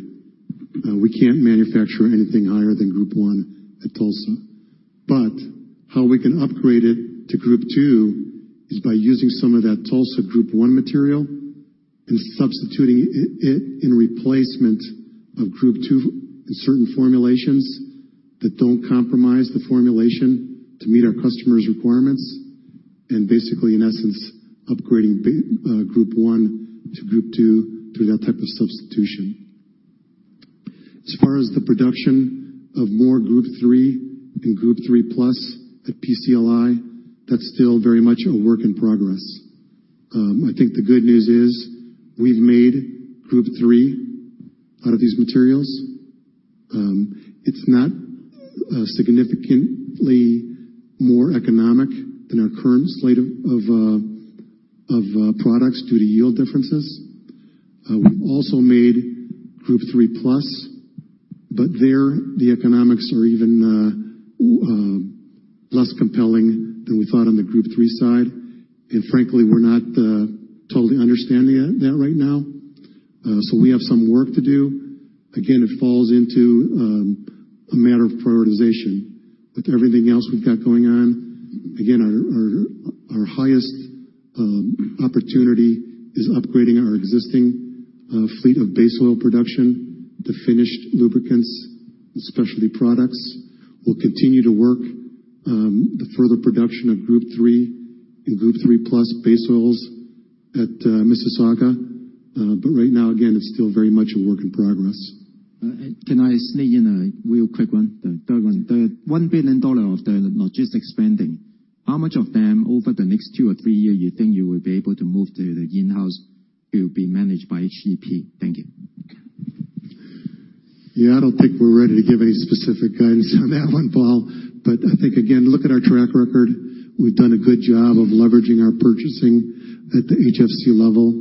We can't manufacture anything higher than Group I at Tulsa. How we can upgrade it to Group II is by using some of that Tulsa Group I material and substituting it in replacement of Group II in certain formulations that don't compromise the formulation to meet our customers' requirements, and basically, in essence, upgrading Group I to Group II through that type of substitution. As far as the production of more Group III and Group III+ at PCLI, that's still very much a work in progress. I think the good news is we've made Group III out of these materials. It's not significantly more economic than our current slate of products due to yield differences. We've also made Group III+, there the economics are even less compelling than we thought on the Group III side. Frankly, we're not totally understanding that right now. We have some work to do. Again, it falls into a matter of prioritization. With everything else we've got going on, again, our highest opportunity is upgrading our existing fleet of base oil production to finished lubricants and specialty products. We'll continue to work the further production of Group III and Group III+ base oils at Mississauga. Right now, again, it's still very much a work in progress. Can I sneak in a real quick one? The third one. The $1 billion of the logistics spending, how much of them over the next two or three years you think you will be able to move to the in-house will be managed by HEP? Thank you. Yeah, I don't think we're ready to give any specific guidance on that one, Paul. I think, again, look at our track record. We've done a good job of leveraging our purchasing at the HFC level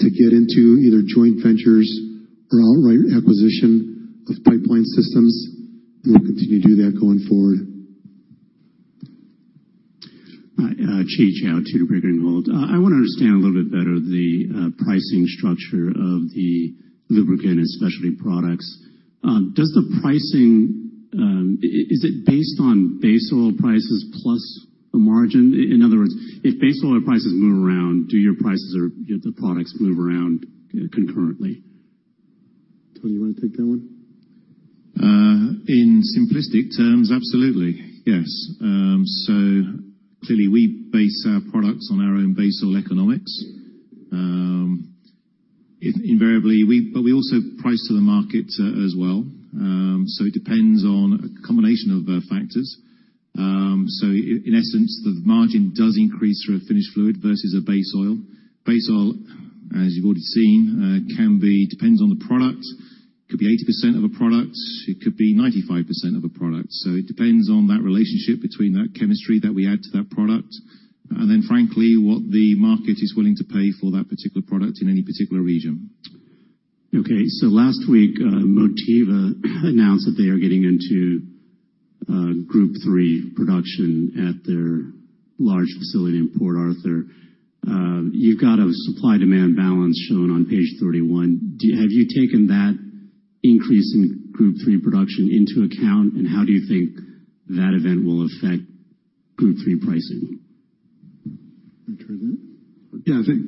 to get into either joint ventures or outright acquisition of pipeline systems. We'll continue to do that going forward. Hi, Chi Chow, Tudor, Pickering Holt. I want to understand a little bit better the pricing structure of the lubricant and specialty products. Does the pricing, is it based on base oil prices plus a margin? In other words, if base oil prices move around, do your prices or the products move around concurrently? Tony, you want to take that one? In simplistic terms, absolutely. Yes. Clearly, we base our products on our own base oil economics. Invariably, we also price to the market as well. It depends on a combination of factors. In essence, the margin does increase through a finished fluid versus a base oil. Base oil, as you've already seen, depends on the product. It could be 80% of a product, it could be 95% of a product. It depends on that relationship between that chemistry that we add to that product, then frankly, what the market is willing to pay for that particular product in any particular region. Okay. Last week, Motiva announced that they are getting into Group III production at their large facility in Port Arthur. You've got a supply-demand balance shown on page 31. Have you taken that increase in Group III production into account, and how do you think that event will affect Group III pricing? You want to try that? Yeah, I think.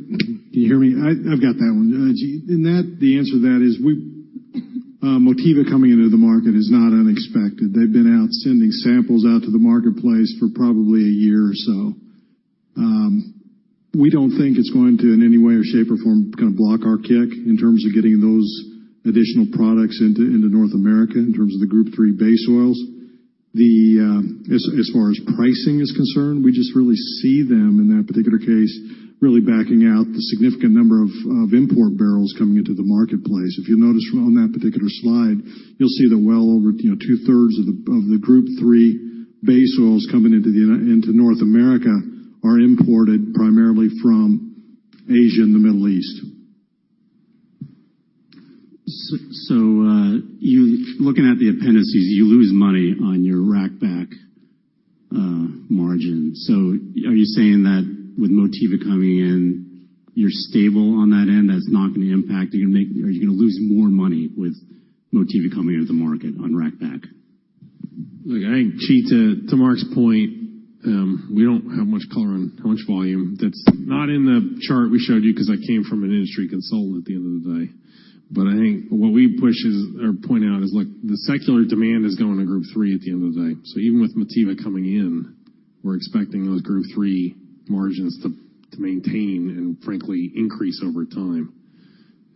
Can you hear me? I've got that one. Qi. The answer to that is Motiva coming into the market is not unexpected. They've been out sending samples out to the marketplace for probably a year or so. We don't think it's going to, in any way or shape or form, kind of block our kick in terms of getting those additional products into North America, in terms of the Group III base oils. As far as pricing is concerned, we just really see them in that particular case, really backing out the significant number of import barrels coming into the marketplace. If you'll notice on that particular slide, you'll see that well over two-thirds of the Group III base oils coming into North America are imported primarily from Asia and the Middle East. Looking at the appendices, you lose money on your rack back margin. Are you saying that with Motiva coming in, you're stable on that end? That's not going to impact? Are you going to lose more money with Motiva coming into the market on rack back? Look, I think, to Mark's point, we don't have much color on how much volume. That's not in the chart we showed you because that came from an industry consultant at the end of the day. I think what we push or point out is the secular demand is going to Group III at the end of the day. Even with Motiva coming in, we're expecting those Group III margins to maintain and frankly, increase over time.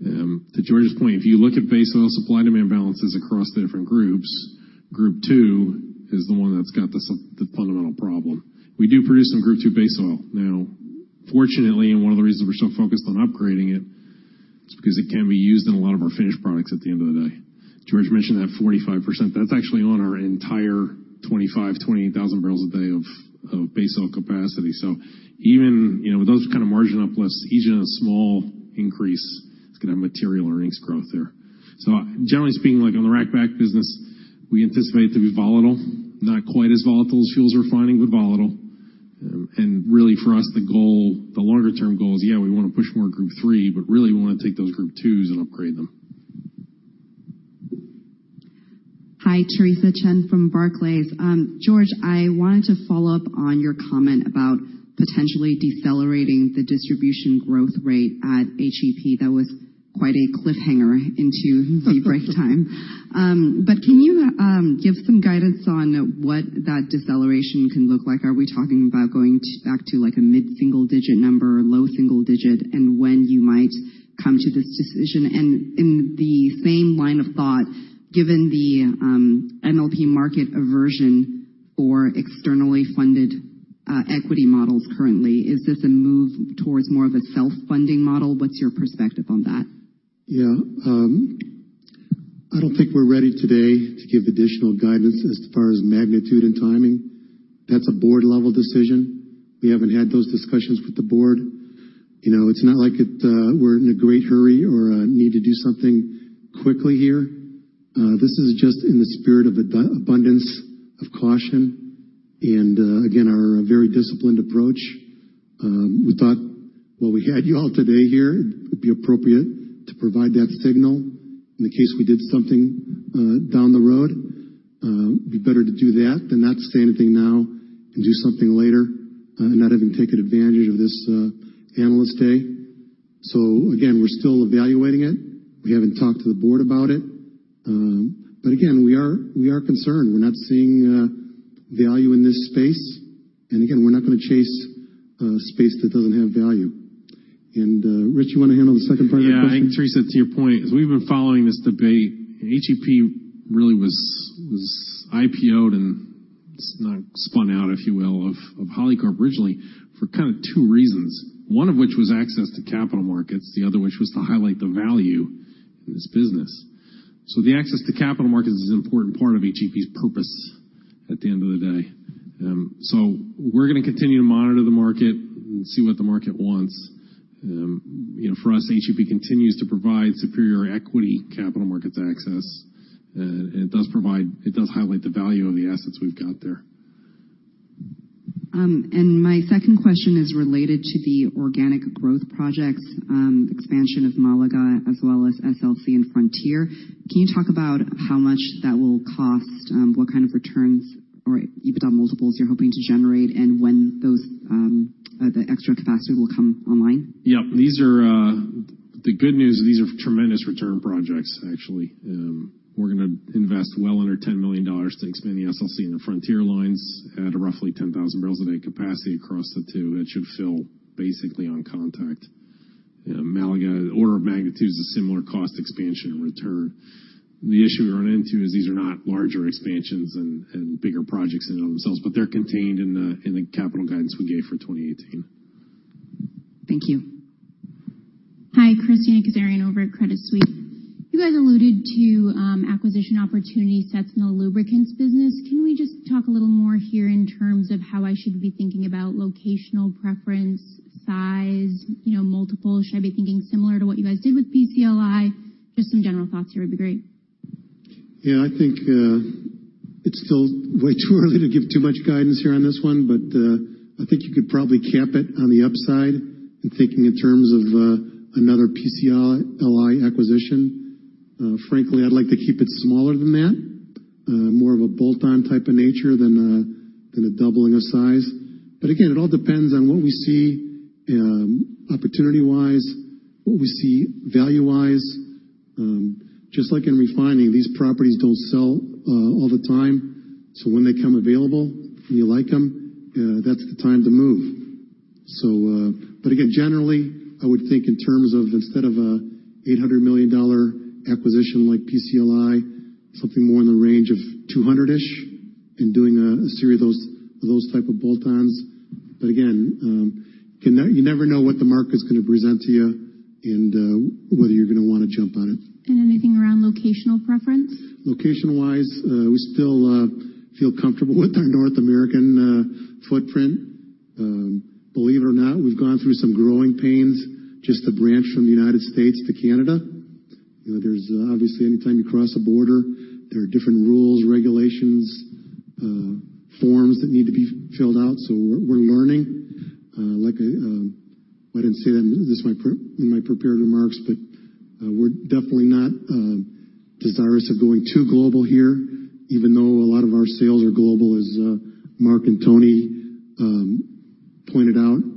To George's point, if you look at base oil supply-demand balances across the different groups, Group II is the one that's got the fundamental problem. We do produce some Group II base oil. Now, fortunately, and one of the reasons we're so focused on upgrading it is because it can be used in a lot of our finished products at the end of the day. George mentioned that 45%. That's actually on our entire 25,000, 28,000 barrels a day of base oil capacity. Even with those kind of margin uplifts, even a small increase, it's going to have material earnings growth there. Generally speaking, on the rack-back business, we anticipate it to be volatile, not quite as volatile as fuels refining, but volatile. Really for us, the longer-term goal is, yeah, we want to push more Group III, but really we want to take those Group IIs and upgrade them. Hi, Theresa Chen from Barclays. George, I wanted to follow up on your comment about potentially decelerating the distribution growth rate at HEP. That was quite a cliffhanger into the break time. Can you give some guidance on what that deceleration can look like? Are we talking about going back to a mid-single-digit number or low single digit, and when you might come to this decision? In the same line of thought, given the MLP market aversion for externally funded equity models currently, is this a move towards more of a self-funding model? What's your perspective on that? Yeah. I don't think we're ready today to give additional guidance as far as magnitude and timing. That's a board-level decision. We haven't had those discussions with the board. It's not like we're in a great hurry or need to do something quickly here. This is just in the spirit of abundance of caution and again, our very disciplined approach. We thought while we had you all today here, it would be appropriate to provide that signal in the case we did something down the road. It'd be better to do that than not say anything now and do something later and not have taken advantage of this Analyst Day. Again, we're still evaluating it. We haven't talked to the board about it. Again, we are concerned. We're not seeing value in this space. Again, we're not going to chase a space that doesn't have value. Rich, you want to handle the second part of that question? Yeah. I think, Theresa, to your point, as we've been following this debate, HEP really was IPO'd and spun out, if you will, of HollyCorp originally for two reasons. One of which was access to capital markets, the other which was to highlight the value in this business. The access to capital markets is an important part of HEP's purpose at the end of the day. We're going to continue to monitor the market and see what the market wants. For us, HEP continues to provide superior equity capital markets access, and it does highlight the value of the assets we've got there. My second question is related to the organic growth projects, expansion of Malaga, as well as SLC and Frontier. Can you talk about how much that will cost? What kind of returns or EBITDA multiples you're hoping to generate, and when the extra capacity will come online? Yep. The good news is these are tremendous return projects, actually. We're going to invest well under $10 million to expand the SLC and the Frontier lines at a roughly 10,000 barrels a day capacity across the two. That should fill basically on contact. Malaga, the order of magnitude is a similar cost expansion return. The issue we run into is these are not larger expansions and bigger projects in and of themselves, but they're contained in the capital guidance we gave for 2018. Thank you. Hi, Manav Gupta over at Credit Suisse. You guys alluded to acquisition opportunities in the lubricants business. Can we just talk a little more here in terms of how I should be thinking about locational preference, size, multiple? Should I be thinking similar to what you guys did with PCLI? Just some general thoughts here would be great. I think it's still way too early to give too much guidance here on this one. I think you could probably cap it on the upside in thinking in terms of another PCLI acquisition. Frankly, I'd like to keep it smaller than that, more of a bolt-on type of nature than a doubling of size. It all depends on what we see opportunity-wise, what we see value-wise. Just like in refining, these properties don't sell all the time. When they come available, and you like them, that's the time to move. Generally, I would think in terms of instead of a $800 million acquisition like PCLI, something more in the range of 200-ish and doing a series of those type of bolt-ons. You never know what the market's going to present to you and whether you're going to want to jump on it. Anything around locational preference? Location-wise, we still feel comfortable with our North American footprint. Believe it or not, we've gone through some growing pains, just to branch from the U.S. to Canada. There's obviously anytime you cross a border, there are different rules, regulations, forms that need to be filled out. We're learning. I didn't say that in my prepared remarks, we're definitely not desirous of going too global here, even though a lot of our sales are global, as Mark and Tony pointed out.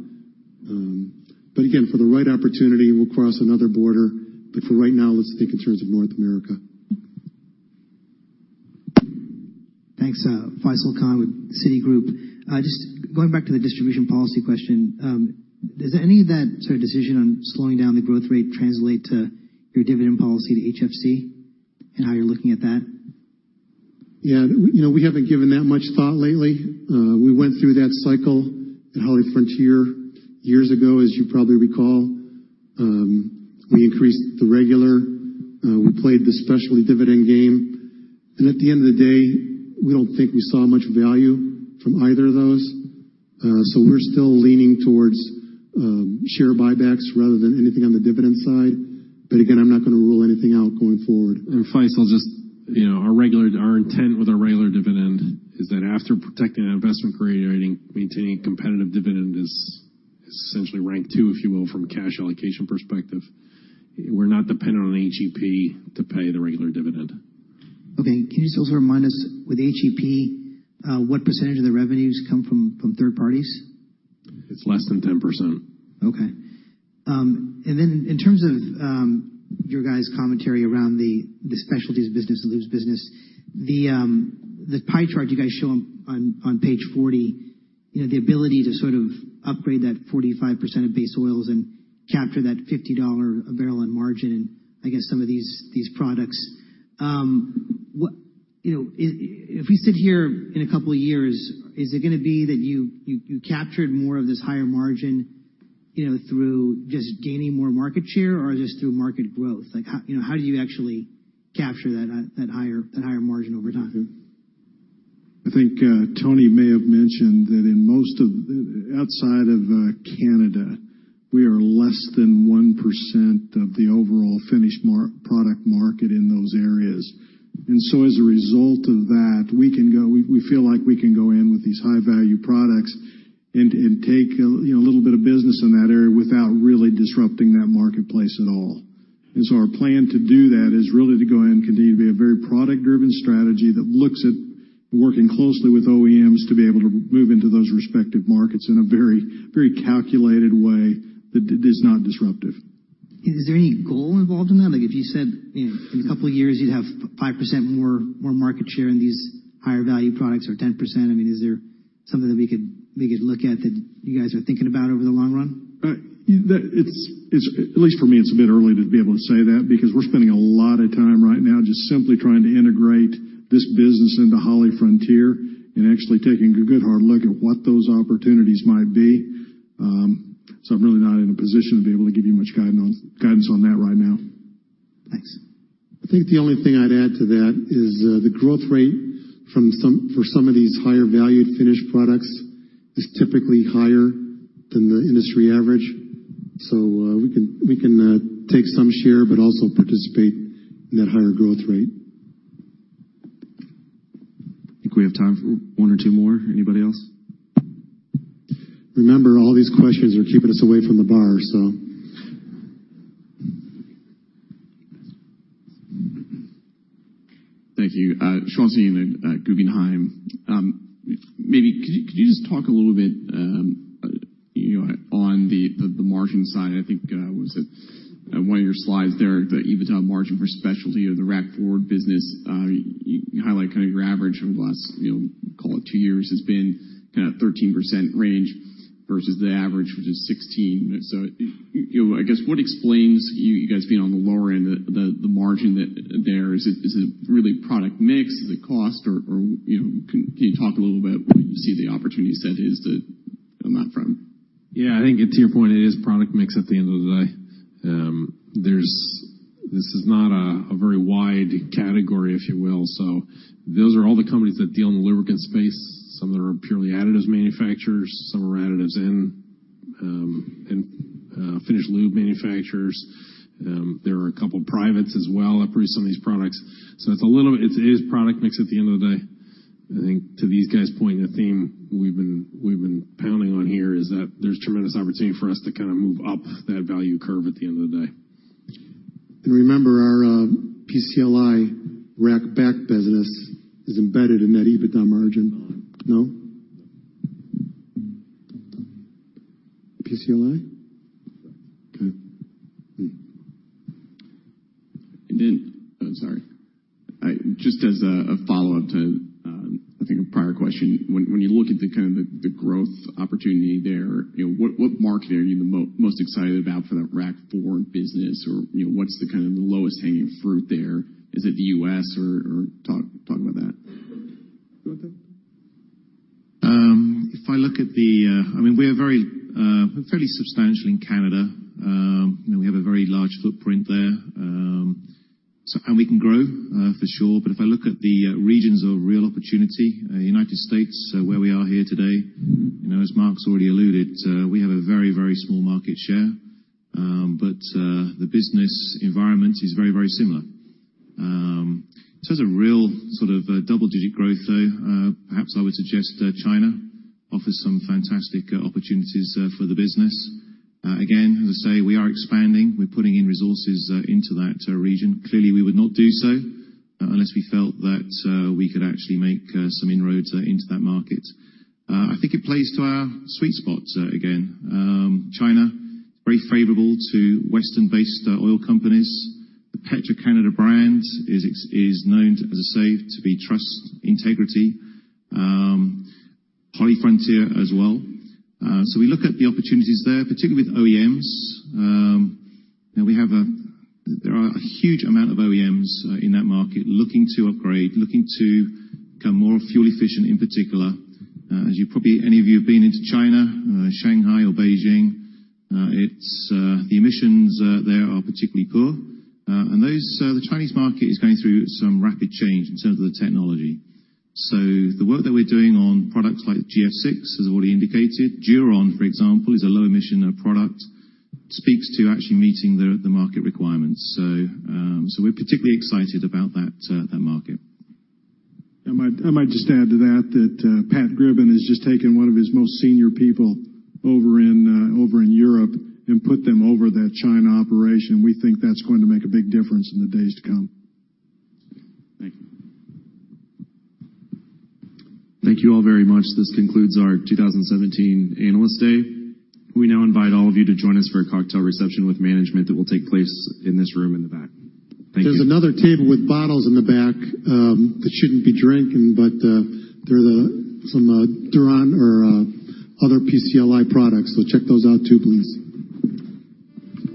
Again, for the right opportunity, we'll cross another border. For right now, let's think in terms of North America. Thanks. Faisel Khan with Citigroup. Just going back to the distribution policy question, does any of that sort of decision on slowing down the growth rate translate to your dividend policy to HFC and how you're looking at that? Yeah. We haven't given that much thought lately. We went through that cycle at HollyFrontier years ago, as you probably recall. We increased the regular, we played the specialty dividend game, and at the end of the day, we don't think we saw much value from either of those. We're still leaning towards share buybacks rather than anything on the dividend side. Again, I'm not going to rule anything out going forward. Faisel, just our intent with our regular dividend is that after protecting our investment grade rating, maintaining competitive dividend is essentially ranked 2, if you will, from a cash allocation perspective. We're not dependent on HEP to pay the regular dividend. Okay. Can you just also remind us with HEP, what % of the revenues come from third parties? It's less than 10%. Okay. In terms of your guys' commentary around the specialties business, the lubes business, the pie chart you guys show on page 40, the ability to sort of upgrade that 45% of base oils and capture that $50 a barrel on margin and I guess some of these products. If we sit here in a couple of years, is it going to be that you captured more of this higher margin through just gaining more market share or just through market growth? How do you actually capture that higher margin over time? I think Tony may have mentioned that in most of the outside of Canada, we are less than 1% of the overall finished product market in those areas. As a result of that, we feel like we can go in with these high-value products and take a little bit of business in that area without really disrupting that marketplace at all. Our plan to do that is really to go in and continue to be a very product driven strategy that looks at working closely with OEMs to be able to move into those respective markets in a very calculated way that is not disruptive. Is there any goal involved in that? If you said in a couple of years you'd have 5% more market share in these higher value products or 10%, is there something that we could look at that you guys are thinking about over the long run? At least for me, it's a bit early to be able to say that because we're spending a lot of time right now just simply trying to integrate this business into HollyFrontier and actually taking a good hard look at what those opportunities might be. I'm really not in a position to be able to give you much guidance on that right now. Thanks. I think the only thing I'd add to that is the growth rate for some of these higher valued finished products is typically higher than the industry average. We can take some share but also participate in that higher growth rate. I think we have time for one or two more. Anybody else? Remember, all these questions are keeping us away from the bar. Thank you. [Sean Sneeden] at Guggenheim. Maybe could you just talk a little bit on the margin side? I think was it one of your slides there, the EBITDA margin for specialty or the rack forward business. You highlight kind of your average over the last, call it two years, has been kind of 13% range versus the average, which is 16%. I guess what explains you guys being on the lower end of the margin there? Is it really product mix? Is it cost? Or can you talk a little bit what you see the opportunity set is to come up from? Yeah, I think to your point, it is product mix at the end of the day. This is not a very wide category, if you will. Those are all the companies that deal in the lubricant space. Some of them are purely additives manufacturers, some are additives and finished lube manufacturers. There are a couple privates as well that produce some of these products. It is product mix at the end of the day. I think to these guys' point, a theme we've been pounding on here is that there's tremendous opportunity for us to move up that value curve at the end of the day. Remember, our PCLI rack-back business is embedded in that EBITDA margin. No. No? PCLI? Yeah. Then, sorry. Just as a follow-up to, I think a prior question. When you look at the growth opportunity there, what market are you the most excited about for the rack forward business? What's the lowest hanging fruit there? Is it the U.S. or talk about that. You want that? We're fairly substantial in Canada. We have a very large footprint there. And we can grow, for sure. If I look at the regions of real opportunity, U.S., where we are here today, as Mark's already alluded, we have a very small market share. The business environment is very similar. It's a real sort of double-digit growth there. Perhaps I would suggest that China offers some fantastic opportunities for the business. Again, as I say, we are expanding. We're putting in resources into that region. Clearly, we would not do so unless we felt that we could actually make some inroads into that market. I think it plays to our sweet spot again. China, very favorable to Western-based oil companies. The Petro-Canada brand is known, as I say, to be trust, integrity. HollyFrontier as well. We look at the opportunities there, particularly with OEMs. There are a huge amount of OEMs in that market looking to upgrade, looking to become more fuel efficient in particular. As probably any of you been into China, Shanghai or Beijing, the emissions there are particularly poor. The Chinese market is going through some rapid change in terms of the technology. The work that we're doing on products like GF6, as already indicated, DURON, for example, is a low emission product, speaks to actually meeting the market requirements. We're particularly excited about that market. I might just add to that Pat Gribben has just taken one of his most senior people over in Europe and put them over that China operation. We think that's going to make a big difference in the days to come. Thank you. Thank you all very much. This concludes our 2017 Analyst Day. We now invite all of you to join us for a cocktail reception with management that will take place in this room in the back. Thank you. There's another table with bottles in the back that shouldn't be drank. They're some DURON or other PCLI products. Check those out too, please.